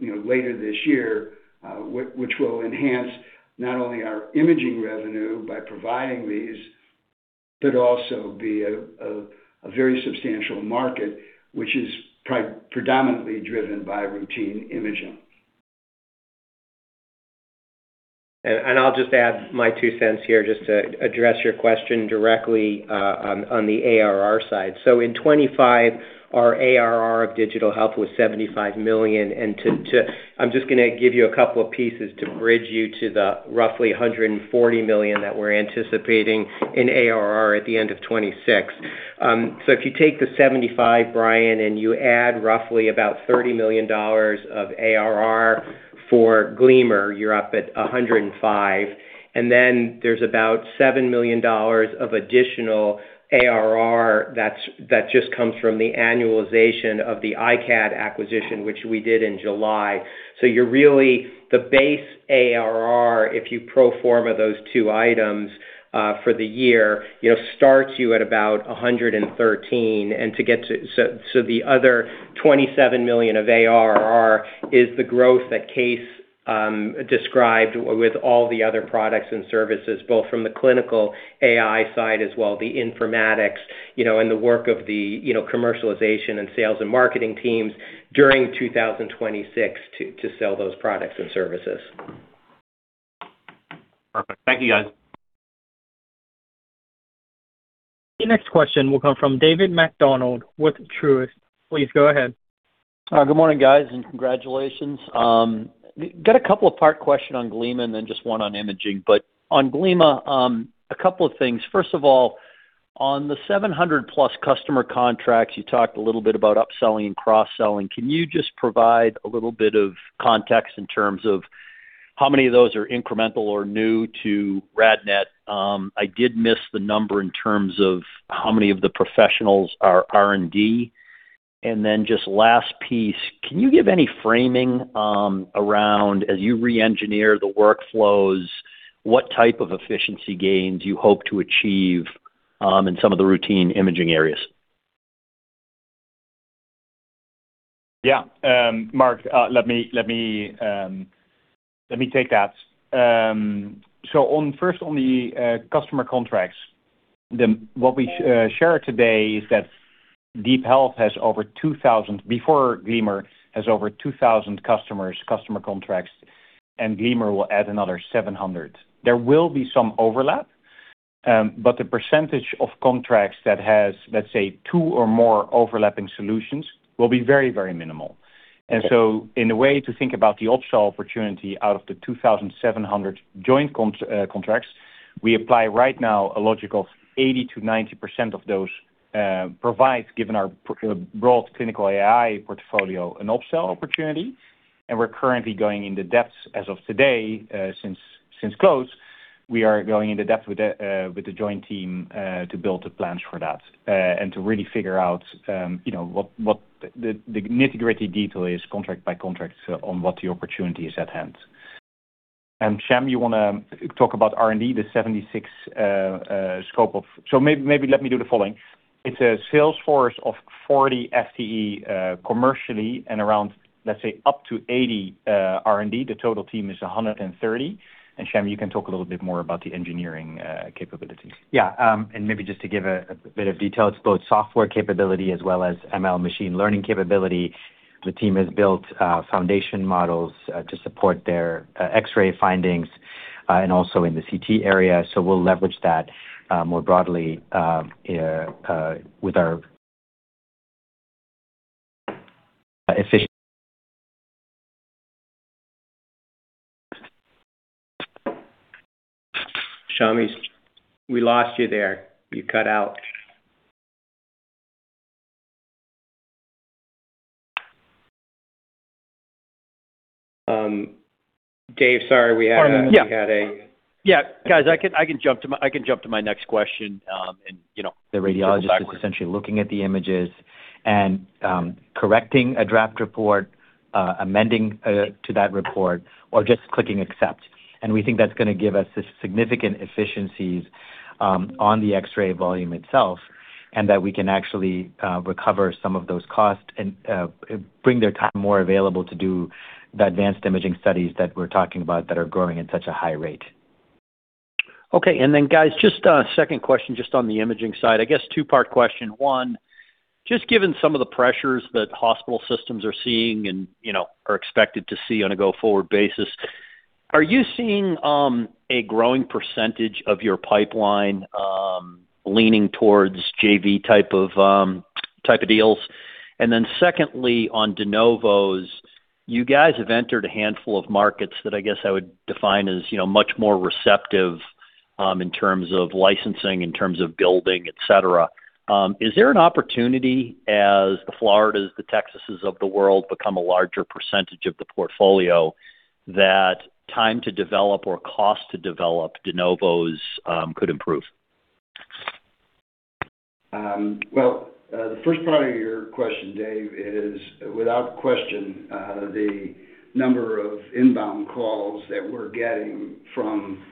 you know, later this year, which will enhance not only our imaging revenue by providing these, but also be a very substantial market, which is predominantly driven by routine imaging. I'll just add my two cents here just to address your question directly on the ARR side. In 2025, our ARR of Digital Health was $75 million. I'm just gonna give you a couple of pieces to bridge you to the roughly $140 million that we're anticipating in ARR at the end of 2026. If you take the $75, Brian, and you add roughly about $30 million of ARR for Gleamer, you're up at $105. Then there's about $7 million of additional ARR that just comes from the annualization of the iCAD acquisition, which we did in July. You're really the base ARR if you pro forma those two items for the year, you know, starts you at about $113. The other $27 million of ARR is the growth that Kees described with all the other products and services, both from the clinical AI side as well, the informatics, you know, and the work of the, you know, commercialization and sales and marketing teams during 2026 to sell those products and services. Perfect. Thank you, guys. Your next question will come from David MacDonald with Truist. Please go ahead. Good morning, guys, and congratulations. Got a couple of part question on Gleamer and then just one on imaging. On Gleamer, a couple of things. First of all, on the 700+ customer contracts, you talked a little bit about upselling and cross-selling. Can you just provide a little bit of context in terms of how many of those are incremental or new to RadNet? I did miss the number in terms of how many of the professionals are R&D. Just last piece, can you give any framing around as you reengineer the workflows, what type of efficiency gains you hope to achieve in some of the routine imaging areas? Yeah. Mark, let me take that. First on the customer contracts, what we shared today is that DeepHealth has over 2,000, before Gleamer, has over 2,000 customers, customer contracts, and Gleamer will add another 700. There will be some overlap, but the percentage of contracts that has, let's say, two or more overlapping solutions will be very, very minimal. In a way to think about the upsell opportunity out of the 2,700 joint contracts, we apply right now a logic of 80%-90% of those provides, given our broad clinical AI portfolio, an upsell opportunity. We're currently going into depths as of today, since close, we are going into depth with the joint team to build the plans for that and to really figure out, you know, what the nitty-gritty detail is contract by contract on what the opportunity is at hand. Sham, you wanna talk about R&D, the 76. Maybe let me do the following. It's a sales force of 40 FTE, commercially and around, let's say, up to 80 R&D. The total team is 130. Sham, you can talk a little bit more about the engineering capabilities. Yeah. Maybe just to give a bit of detail, it's both software capability as well as ML machine learning capability. The team has built foundation models to support their X-ray findings and also in the CT area, so we'll leverage that more broadly with our. Sham, we lost you there. You cut out. Dave, sorry, we had. Yeah. We had a. Yeah. Guys, I can jump to my next question, you know, go backwards. The radiologist is essentially looking at the images and correcting a draft report, amending to that report or just clicking accept. We think that's gonna give us the significant efficiencies on the X-ray volume itself, and that we can actually recover some of those costs and bring their time more available to do the advanced imaging studies that we're talking about that are growing at such a high rate. Okay. guys, just a second question just on the imaging side. I guess two-part question. One, just given some of the pressures that hospital systems are seeing and, you know, are expected to see on a go-forward basis, are you seeing a growing % of your pipeline leaning towards JV type of deals? secondly, on de novos, you guys have entered a handful of markets that I guess I would define as, you know, much more receptive in terms of licensing, in terms of building, et cetera. Is there an opportunity as the Floridas, the Texases of the world become a larger percentage of the portfolio that time to develop or cost to develop de novos could improve? The first part of your question, David, is without question, the number of inbound calls that we're getting from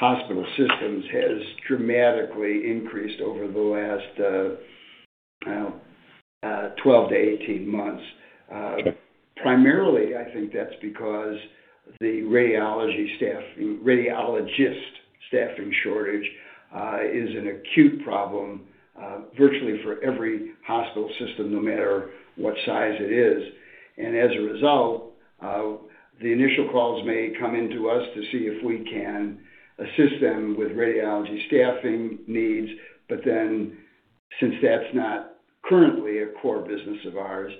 hospital systems has dramatically increased over the last, 12 to 18 months. Okay. Primarily, I think that's because the radiologist staffing shortage, is an acute problem, virtually for every hospital system, no matter what size it is. As a result, the initial calls may come into us to see if we can assist them with radiology staffing needs. Since that's not currently a core business of ours,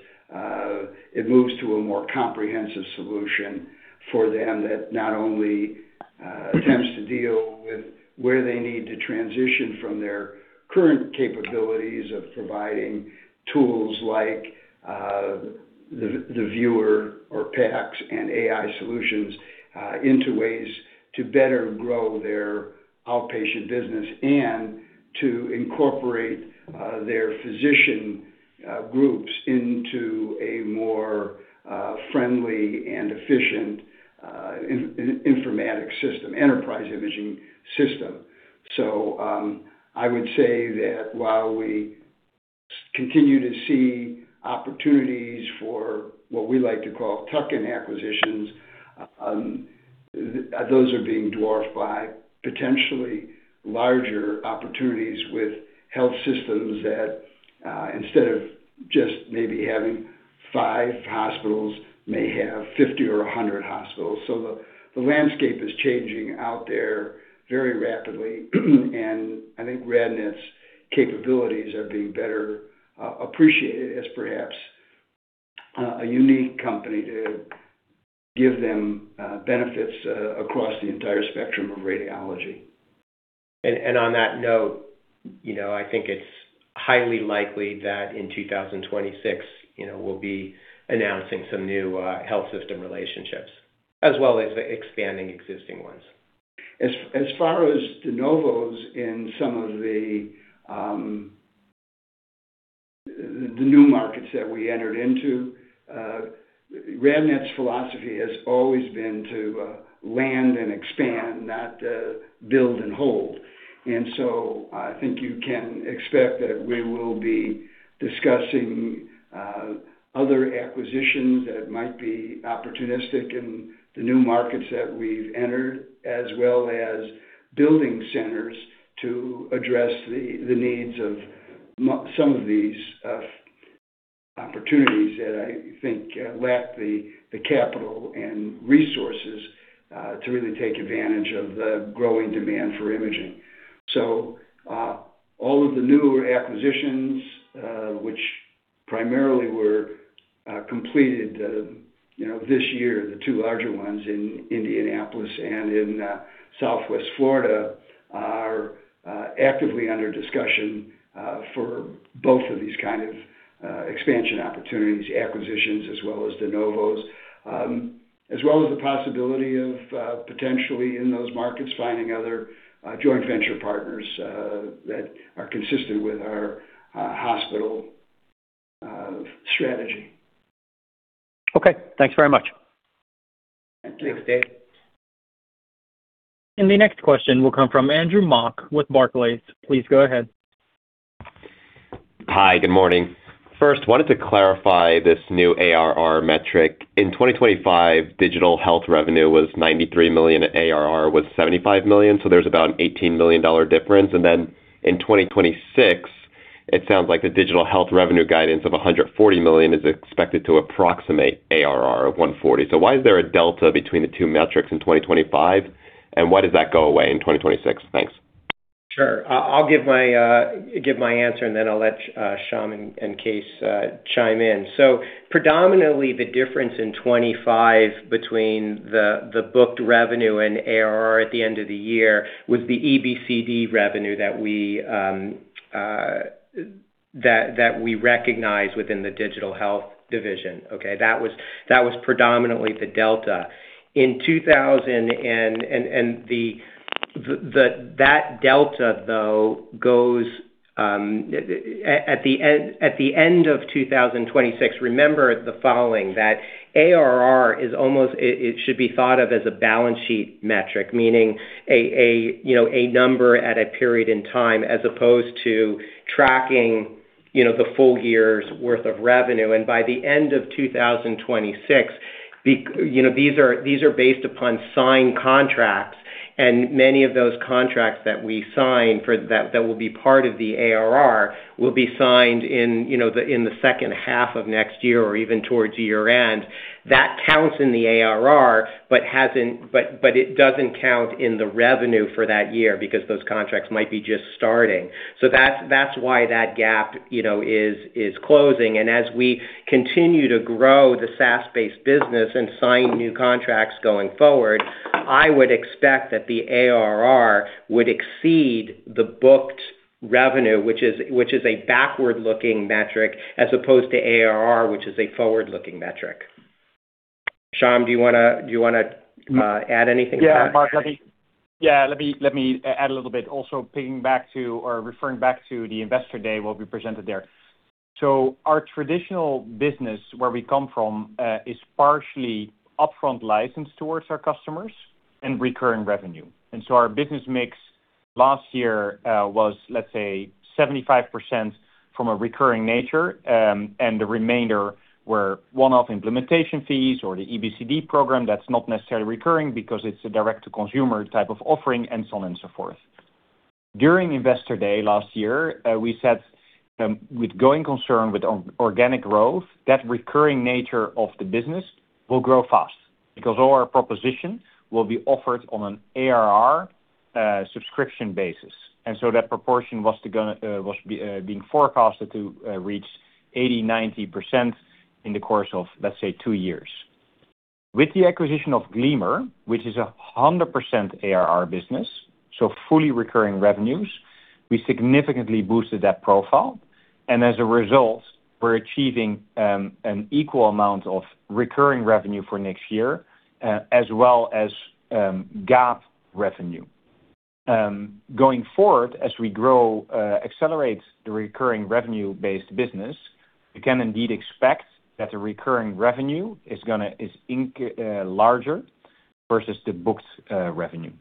it moves to a more comprehensive solution for them that not only, attempts to deal with where they need to transition from their current capabilities of providing tools like, the viewer or PACS and AI solutions, into ways to better grow their outpatient business and to incorporate, their physician, groups into a more, friendly and efficient, informatic system, enterprise imaging system. I would say that while we continue to see opportunities for what we like to call tuck-in acquisitions, those are being dwarfed by potentially larger opportunities with health systems that, instead of just maybe having five hospitals may have 50 or 100 hospitals. The landscape is changing out there very rapidly, and I think RadNet's capabilities are being better appreciated as perhaps, a unique company to give them, benefits, across the entire spectrum of radiology. On that note, you know, I think it's highly likely that in 2026, you know, we'll be announcing some new health system relationships as well as expanding existing ones. As far as de novos in some of the new markets that we entered into, RadNet's philosophy has always been to land and expand, not build and hold. I think you can expect that we will be discussing other acquisitions that might be opportunistic in the new markets that we've entered, as well as building centers to address the needs of some of these opportunities that I think lack the capital and resources to really take advantage of the growing demand for imaging. All of the newer acquisitions, which primarily were completed, you know, this year, the two larger ones in Indianapolis and in Southwest Florida, are actively under discussion for both of these kind of expansion opportunities, acquisitions as well as de novos, as well as the possibility of potentially in those markets, finding other joint venture partners that are consistent with our hospital strategy. Okay. Thanks very much. Thanks, Dave. The next question will come from Andrew Mok with Barclays. Please go ahead. Hi. Good morning. First, wanted to clarify this new ARR metric. In 2025, Digital Health revenue was $93 million, ARR was $75 million, there's about an $18 million difference. In 2026, it sounds like the Digital Health revenue guidance of $140 million is expected to approximate ARR of $140 million. Why is there a delta between the two metrics in 2025, and why does that go away in 2026? Thanks. Sure. I'll give my answer, and then I'll let Sham and Kees chime in. Predominantly, the difference in 2025 between the booked revenue and ARR at the end of the year was the EBCD revenue that we recognize within the Digital Health division, okay. That was predominantly the delta. That delta, though, goes at the end of 2026, remember the following, that ARR is almost-- It should be thought of as a balance sheet metric, meaning a, you know, a number at a period in time as opposed to tracking, you know, the full year's worth of revenue. By the end of 2026, you know, these are based upon signed contracts, and many of those contracts that we sign that will be part of the ARR will be signed in, you know, the, in the second half of next year or even towards year-end. That counts in the ARR but it doesn't count in the revenue for that year because those contracts might be just starting. That's why that gap, you know, is closing. As we continue to grow the SaaS-based business and sign new contracts going forward, I would expect that the ARR would exceed the booked revenue, which is a backward-looking metric, as opposed to ARR, which is a forward-looking metric. Sham, do you wanna add anything to that? Yeah, Mark, let me add a little bit also pinging back to or referring back to the Investor Day, what we presented there. Our traditional business, where we come from, is partially upfront license towards our customers and recurring revenue. Our business mix last year was, let's say, 75% from a recurring nature, and the remainder were one-off implementation fees or the EBCD program that's not necessarily recurring because it's a direct-to-consumer type of offering and so on and so forth. During Investor Day last year, we said, with growing concern with organic growth, that recurring nature of the business will grow fast because all our propositions will be offered on an ARR subscription basis. That proportion was gonna was being forecasted to reach 80%, 90% in the course of, let's say, two years. With the acquisition of Gleamer, which is a 100% ARR business, so fully recurring revenues, we significantly boosted that profile. We're achieving an equal amount of recurring revenue for next year, as well as GAAP revenue. Going forward, as we grow, accelerate the recurring revenue-based business, we can indeed expect that the recurring revenue is gonna larger versus the booked revenue.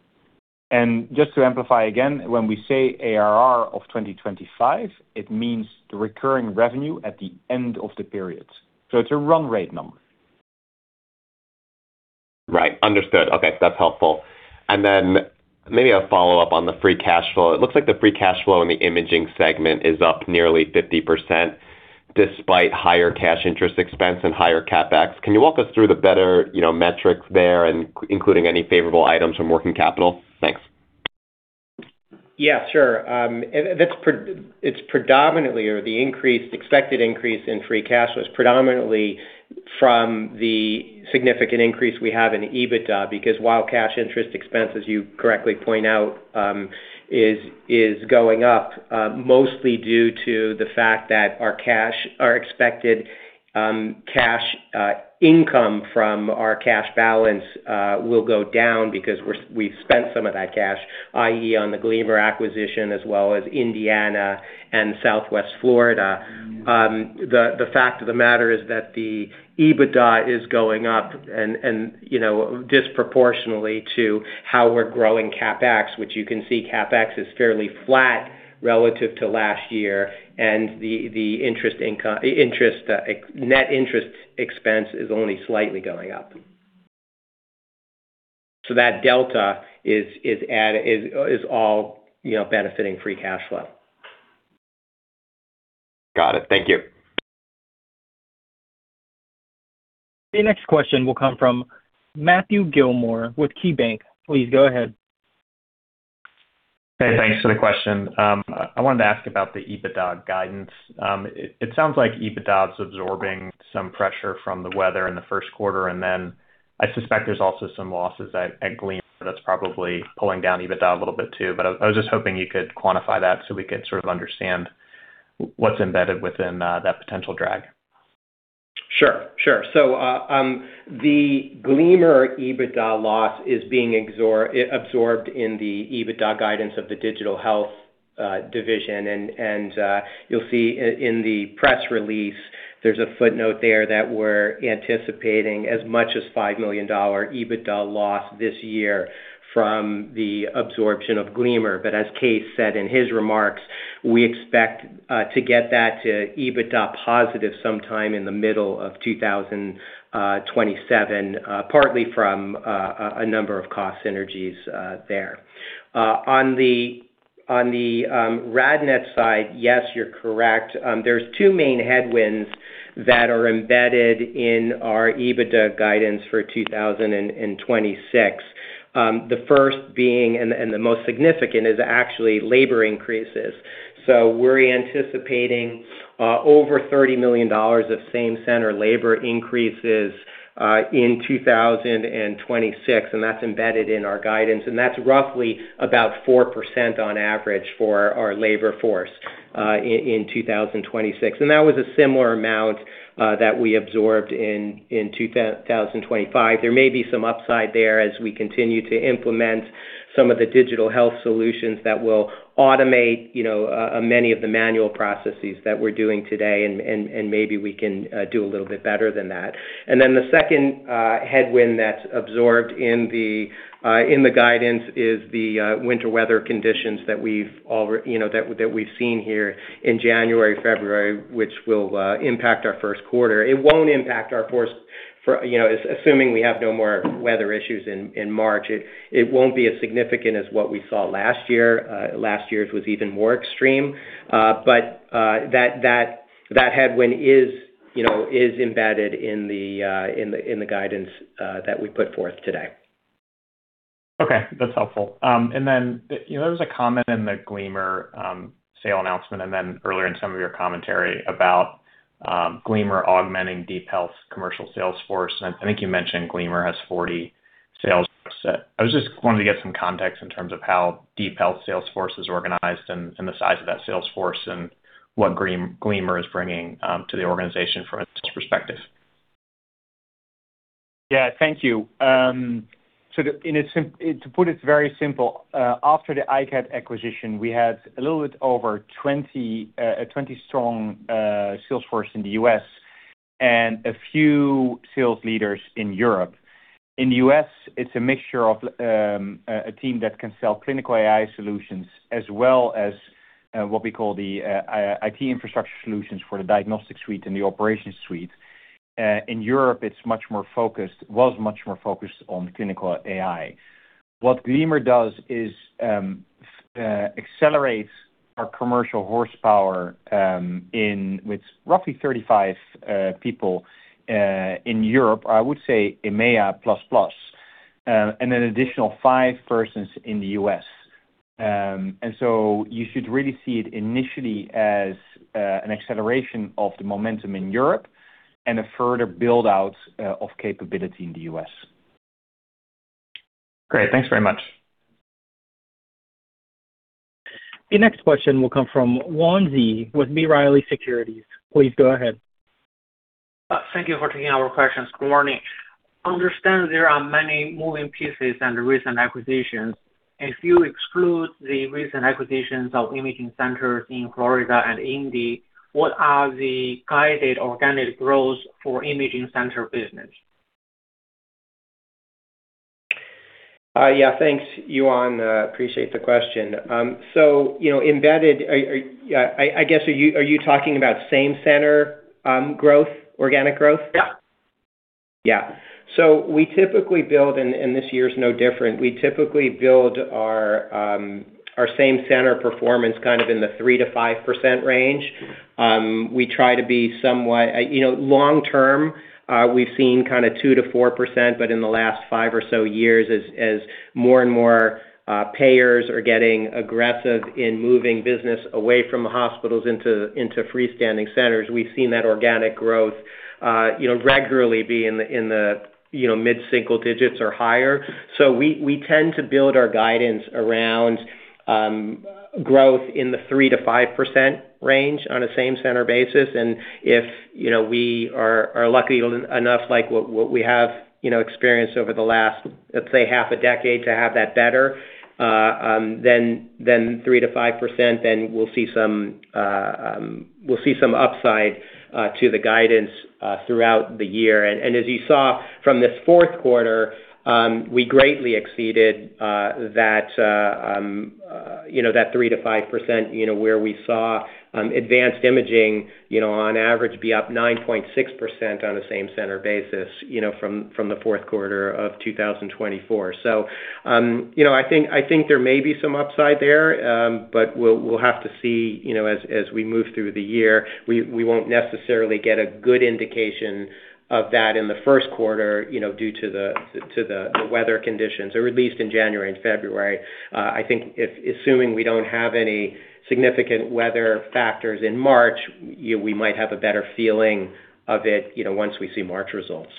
When we say ARR of 2025, it means the recurring revenue at the end of the period. It's a run rate number. Right. Understood. Okay, that's helpful. Maybe a follow-up on the free cash flow. It looks like the free cash flow in the imaging segment is up nearly 50% despite higher cash interest expense and higher CapEx. Can you walk us through the better, you know, metrics there and including any favorable items from working capital? Thanks. Yeah, sure. It's predominantly or the increase, expected increase in free cash was predominantly from the significant increase we have in EBITDA because while cash interest expense, as you correctly point out, is going up, mostly due to the fact that our cash, our expected cash income from our cash balance will go down because we've spent some of that cash, i.e., on the Gleamer acquisition as well as Indiana and Southwest Florida. The fact of the matter is that the EBITDA is going up and, you know, disproportionately to how we're growing CapEx, which you can see CapEx is fairly flat relative to last year, and the interest income, net interest expense is only slightly going up. That delta is all, you know, benefiting free cash flow. Got it. Thank you. The next question will come from Matthew Gillmor with KeyBanc. Please go ahead. Hey, thanks for the question. I wanted to ask about the EBITDA guidance. It sounds like EBITDA is absorbing some pressure from the weather in the first quarter, and then I suspect there's also some losses at Gleamer that's probably pulling down EBITDA a little bit too. I was just hoping you could quantify that so we could sort of understand what's embedded within that potential drag. Sure. Sure. The Gleamer EBITDA loss is being absorbed in the EBITDA guidance of the Digital Health division. You'll see in the press release, there's a footnote there that we're anticipating as much as $5 million EBITDA loss this year from the absorption of Gleamer. As Kees said in his remarks, we expect to get that to EBITDA positive sometime in the middle of 2027, partly from a number of cost synergies there. On the RadNet side, yes, you're correct. There's two main headwinds that are embedded in our EBITDA guidance for 2026. The first being the most significant is actually labor increases. We're anticipating over $30 million of same center labor increases in 2026, and that's embedded in our guidance, and that's roughly about 4% on average for our labor force in 2026. That was a similar amount that we absorbed in 2025. There may be some upside there as we continue to implement some of the Digital Health solutions that will automate, you know, many of the manual processes that we're doing today, and maybe we can do a little bit better than that. The second headwind that's absorbed in the guidance is the winter weather conditions that we've, you know, seen here in January, February, which will impact our first quarter. It won't impact our first. You know, assuming we have no more weather issues in March, it won't be as significant as what we saw last year. Last year's was even more extreme. That headwind is, you know, is embedded in the guidance that we put forth today. Okay, that's helpful. You know, there was a comment in the Gleamer sale announcement earlier in some of your commentary about Gleamer augmenting DeepHealth's commercial sales force. I think you mentioned Gleamer has 40 sales set. I was just wanting to get some context in terms of how DeepHealth sales force is organized and the size of that sales force and what Gleamer is bringing to the organization from its perspective. Yeah. Thank you. To put it very simple, after the iCAD acquisition, we had a little bit over 20 strong sales force in the U.S. and a few sales leaders in Europe. In the U.S., it's a mixture of a team that can sell clinical AI solutions, as well as what we call the IT infrastructure solutions for the Diagnostic Suite and the Operations Suite. In Europe, it was much more focused on clinical AI. What Gleamer does is accelerates our commercial horsepower with roughly 35 people in Europe, or I would say EMEA plus plus, and an additional five persons in the U.S. You should really see it initially as an acceleration of the momentum in Europe and a further build-out of capability in the U.S. Great. Thanks very much. The next question will come from Yuan Zhi with B. Riley Securities. Please go ahead. Thank you for taking our questions. Good morning. Understand there are many moving pieces and recent acquisitions. If you exclude the recent acquisitions of imaging centers in Florida and Indy, what are the guided organic growth for imaging center business? Yeah, thanks, Yuan. Appreciate the question. You know, I guess, are you talking about same center, growth, organic growth? Yeah. We typically build, and this year is no different, we typically build our same center performance kind of in the 3%-5% range. We try to be somewhat. You know, long term, we've seen kinda 2%-4%, but in the last five or so years, as more and more payers are getting aggressive in moving business away from the hospitals into freestanding centers, we've seen that organic growth, you know, regularly be in the mid-single digits or higher. We tend to build our guidance around growth in the 3%-5% range on a same center basis. If, you know, we are lucky enough, like what we have, you know, experienced over the last, let's say, half a decade to have that better than 3%-5%, then we'll see some upside to the guidance throughout the year. As you saw from this fourth quarter, we greatly exceeded that, you know, that 3%-5%, you know, where we saw advanced imaging, you know, on average be up 9.6% on a same center basis, you know, from the fourth quarter of 2024. You know, I think there may be some upside there, but we'll have to see, you know, as we move through the year. We won't necessarily get a good indication of that in the first quarter, you know, due to the weather conditions, or at least in January and February. I think if assuming we don't have any significant weather factors in March, you know, we might have a better feeling of it, you know, once we see March results.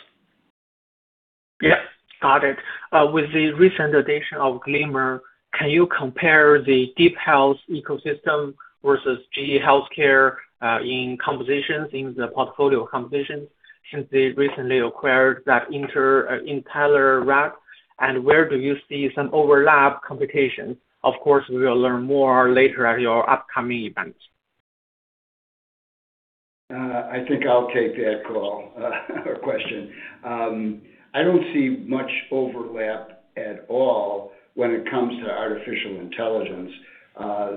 Yeah. Got it. With the recent addition of Gleamer, can you compare the DeepHealth ecosystem versus GE HealthCare, in compositions, in the portfolio compositions since they recently acquired that Intelerad? Where do you see some overlap competitions? Of course, we will learn more later at your upcoming event. I think I'll take that call or question. I don't see much overlap at all when it comes to artificial intelligence.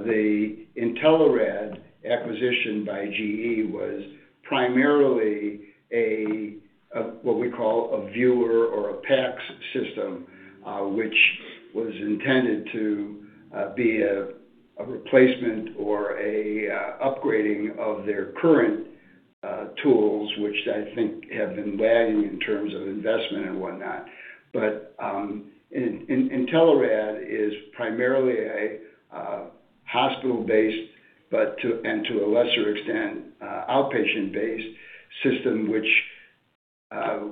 The Intelerad acquisition by GE was primarily a what we call a viewer or a PACS system, which was intended to be a replacement or a upgrading of their current tools, which I think have been lagging in terms of investment and whatnot. Intelerad is primarily a hospital-based, and to a lesser extent, outpatient-based system, which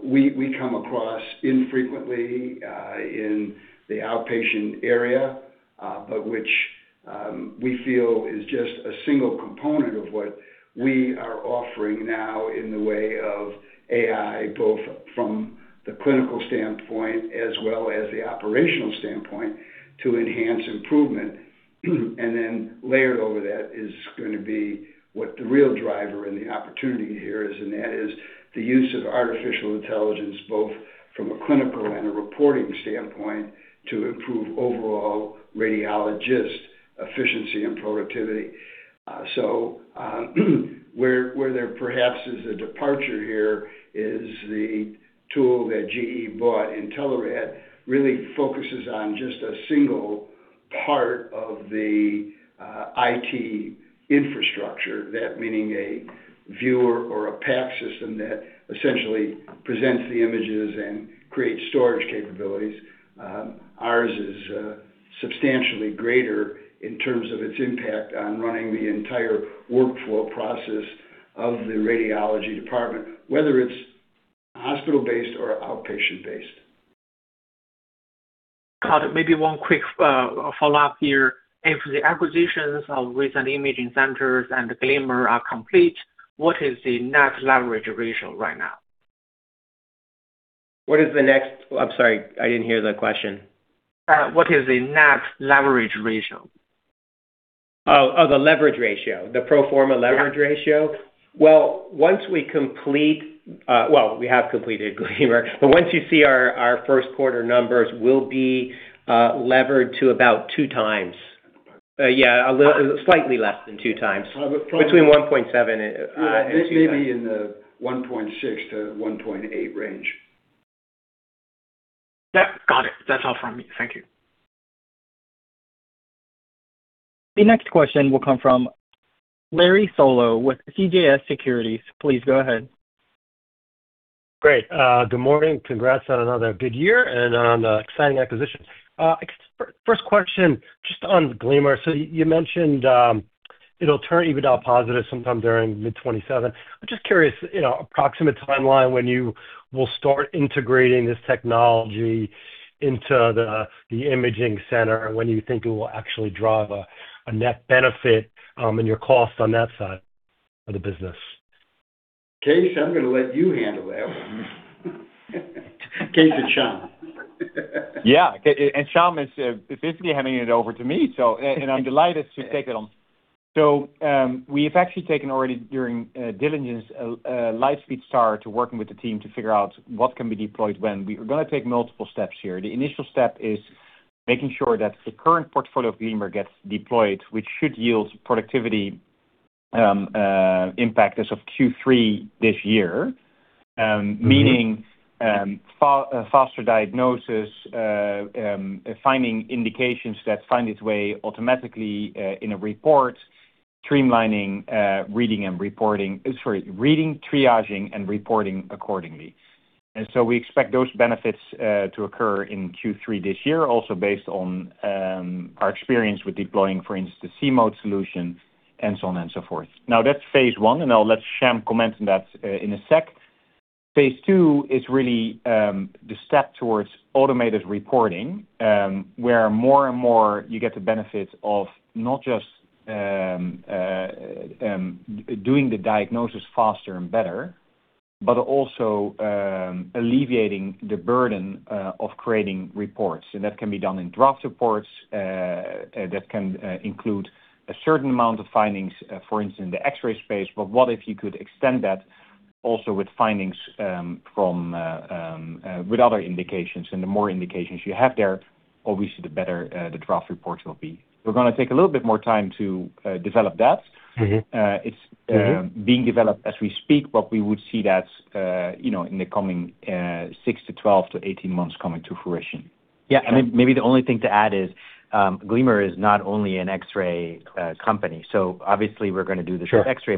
we come across infrequently in the outpatient area, but which we feel is just a single component of what we are offering now in the way of AI, both from the clinical standpoint as well as the operational standpoint to enhance improvement. Layered over that is gonna be what the real driver and the opportunity here is, and that is the use of artificial intelligence, both from a clinical and a reporting standpoint, to improve overall radiologist efficiency and productivity. Where there perhaps is a departure here is the tool that GE bought, Intelerad, really focuses on just a single part of the IT infrastructure. That meaning a viewer or a PACS system that essentially presents the images and creates storage capabilities. Ours is substantially greater in terms of its impact on running the entire workflow process of the radiology department, whether it's hospital-based or outpatient-based. Got it. Maybe one quick follow-up here. If the acquisitions of recent imaging centers and Gleamer are complete, what is the net leverage ratio right now? What is the next... I'm sorry, I didn't hear the question. What is the net leverage ratio? Oh, the leverage ratio. The pro forma leverage ratio? Yeah. Well, we have completed Gleamer, once you see our first quarter numbers, we'll be levered to about 2x. Yeah, slightly less than 2x. Probably- Between 1.7x and 1.8x Yeah, maybe in the 1.6x-1.8x range. Yeah. Got it. That's all from me. Thank you. The next question will come from Larry Solow with CJS Securities. Please go ahead. Great. Good morning. Congrats on another good year and on the exciting acquisitions. First question just on Gleamer. You, you mentioned, it'll turn EBITDA positive sometime during mid 2027. I'm just curious, you know, approximate timeline when you will start integrating this technology into the imaging center and when you think it will actually drive a net benefit in your cost on that side of the business. Kees, I'm gonna let you handle that one. Kees and Sham. Yeah. Sham is basically handing it over to me. I'm delighted to take it on. We have actually taken already during diligence a light speed start to working with the team to figure out what can be deployed when. We are gonna take multiple steps here. The initial step is making sure that the current portfolio of Gleamer gets deployed, which should yield productivity impact as of Q3 this year. Meaning, faster diagnosis, finding indications that find its way automatically in a report, streamlining reading, triaging, and reporting accordingly. We expect those benefits to occur in Q3 this year also based on our experience with deploying, for instance, the See-Mode solution and so on and so forth. That's phase one, and I'll let Sham comment on that in a sec. Phase 2 is really the step towards automated reporting, where more and more you get the benefit of not just doing the diagnosis faster and better, but also alleviating the burden of creating reports. That can be done in draft reports that can include a certain amount of findings, for instance, the X-ray space. What if you could extend that also with findings from with other indications? The more indications you have there, obviously the better the draft reports will be. We're gonna take a little bit more time to develop that. It's being developed as we speak, but we would see that, you know, in the coming six to 12 to 18 months coming to fruition. Yeah. Maybe the only thing to add is, Gleamer is not only an X-ray company. Obviously we're gonna do the short X-ray,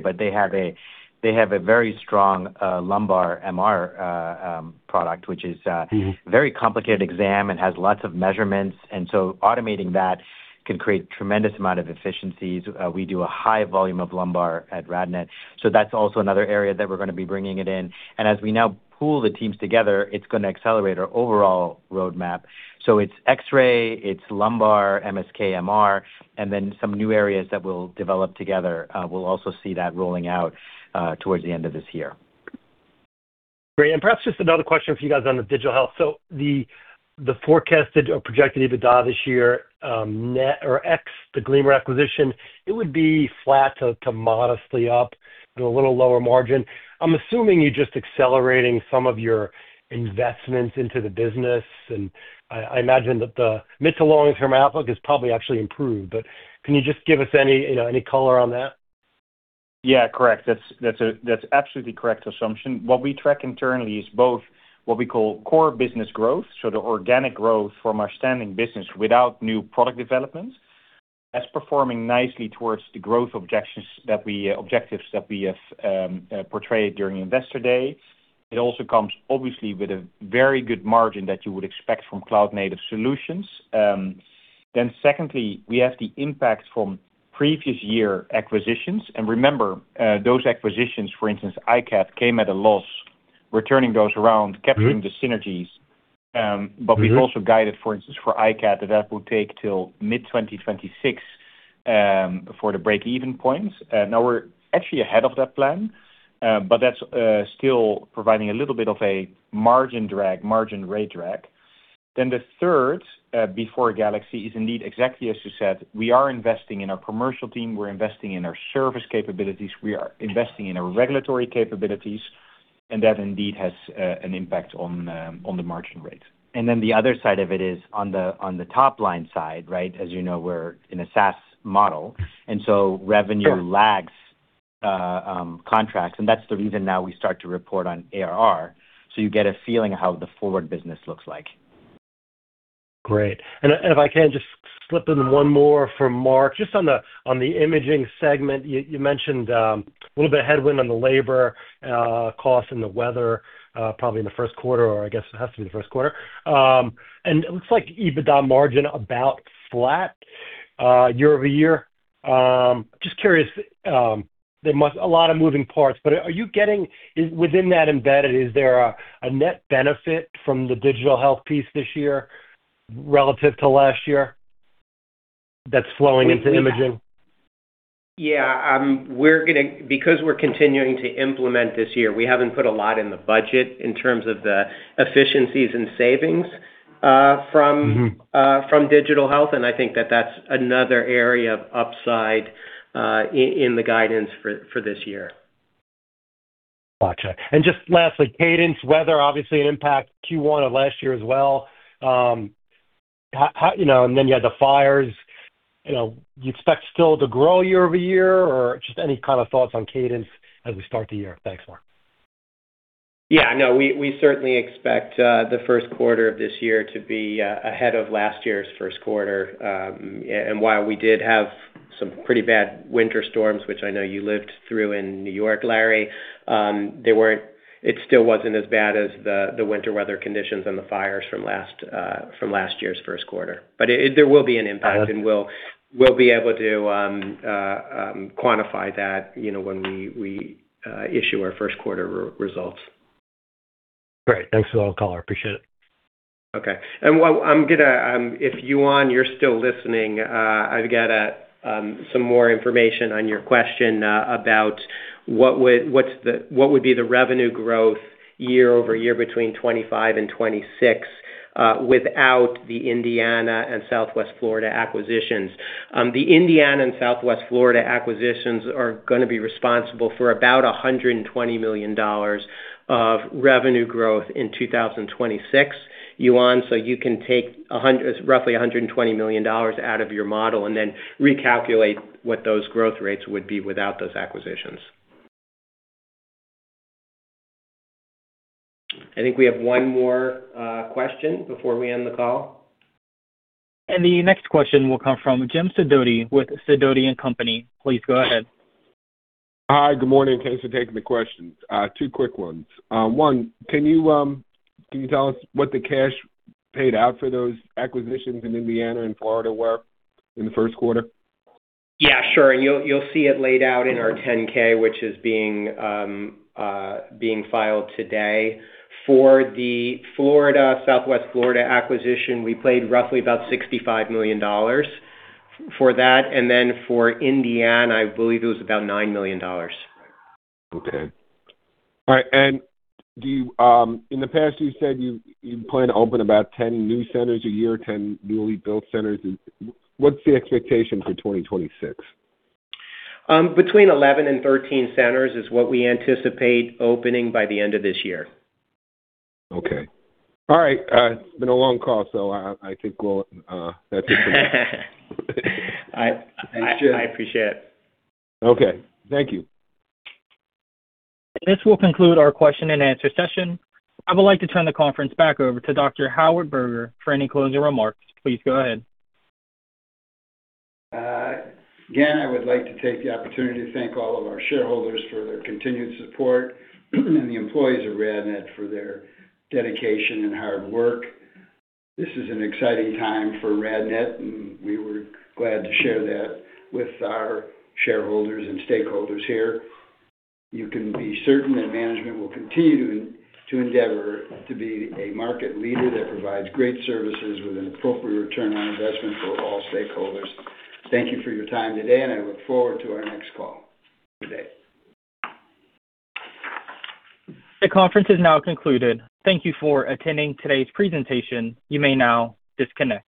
they have a very strong lumbar MR product which has a very complicated exam and has lots of measurements, automating that can create tremendous amount of efficiencies. We do a high volume of lumbar at RadNet, so that's also another area that we're gonna be bringing it in. As we now pool the teams together, it's gonna accelerate our overall roadmap. It's X-ray, it's lumbar, MSK, MR, and then some new areas that we'll develop together, we'll also see that rolling out towards the end of this year. Great. Perhaps just another question for you guys on the Digital Health. The forecasted or projected EBITDA this year, net or ex the Gleamer acquisition, it would be flat to modestly up but a little lower margin. I'm assuming you're just accelerating some of your investments into the business. I imagine that the mid to long-term outlook is probably actually improved. Can you just give us any, you know, any color on that? Correct. That's absolutely correct assumption. What we track internally is both what we call core business growth, so the organic growth from our standing business without new product development. That's performing nicely towards the growth objectives that we have portrayed during Investor Day. It also comes obviously with a very good margin that you would expect from cloud-native solutions. Secondly, we have the impact from previous year acquisitions. Remember, those acquisitions, for instance, iCAD came at a loss. Returning those around, capturing the synergies. We've also guided, for instance, for iCAD, that that will take till mid-2026 for the break-even point. Now we're actually ahead of that plan, but that's still providing a little bit of a margin drag, margin rate drag. The third before Galaxy, is indeed exactly as you said, we are investing in our commercial team, we're investing in our service capabilities, we are investing in our regulatory capabilities, and that indeed has an impact on the margin rate. The other side of it is on the top line side, right? As you know, we're in a SaaS model, and so revenue lags, contracts, and that's the reason now we start to report on ARR, so you get a feeling of how the forward business looks like. Great. If I can just slip in one more for Mark, just on the imaging segment. You mentioned a little bit of headwind on the labor cost and the weather, probably in the first quarter or I guess it has to be the first quarter. It looks like EBITDA margin about flat year-over-year. Just curious, a lot of moving parts, but Is within that embedded, is there a net benefit from the Digital Health piece this year relative to last year that's flowing into imaging? Yeah. Because we're continuing to implement this year, we haven't put a lot in the budget in terms of the efficiencies and savings from Digital Health, I think that that's another area of upside, in the guidance for this year. Gotcha. Just lastly, cadence, weather obviously an impact Q1 of last year as well. How, you know, you had the fires. You know, do you expect still to grow year-over-year or just any kind of thoughts on cadence as we start the year? Thanks, Mark. Yeah. No. We certainly expect the first quarter of this year to be ahead of last year's first quarter. And while we did have some pretty bad winter storms, which I know you lived through in New York, Larry, they weren't it still wasn't as bad as the winter weather conditions and the fires from last year's first quarter. There will be an impact, and we'll be able to quantify that, you know, when we issue our first quarter results. Great. Thanks for all the color. Appreciate it. Okay. While I'm gonna, if Yuan, you're still listening, I've got some more information on your question about what would be the revenue growth year-over-year between 2025 and 2026 without the Indiana and Southwest Florida acquisitions. The Indiana and Southwest Florida acquisitions are gonna be responsible for about $120 million of revenue growth in 2026, Yuan, so you can take roughly $120 million out of your model and then recalculate what those growth rates would be without those acquisitions. I think we have one more question before we end the call. The next question will come from Jim Sidoti with Sidoti & Company. Please go ahead. Hi. Good morning. Thanks for taking the questions. Two quick ones. One, can you tell us what the cash paid out for those acquisitions in Indiana and Florida were in the first quarter? Yeah, sure. You'll see it laid out in our 10-K, which is being filed today. For the Florida, Southwest Florida acquisition, we paid roughly about $65 million for that. For Indiana, I believe it was about $9 million. Okay. All right. Do you in the past, you said you plan to open about 10 new centers a year, 10 newly built centers. What's the expectation for 2026? Between 11 and 13 centers is what we anticipate opening by the end of this year. Okay. All right. It's been a long call. I think that's it for me. I appreciate it. Okay. Thank you. This will conclude our question-and-answer session. I would like to turn the conference back over to Dr. Howard Berger for any closing remarks. Please go ahead. Again, I would like to take the opportunity to thank all of our shareholders for their continued support and the employees of RadNet for their dedication and hard work. This is an exciting time for RadNet, and we were glad to share that with our shareholders and stakeholders here. You can be certain that management will continue to endeavor to be a market leader that provides great services with an appropriate return on investment for all stakeholders. Thank you for your time today, and I look forward to our next call. Good day. The conference is now concluded. Thank you for attending today's presentation. You may now disconnect.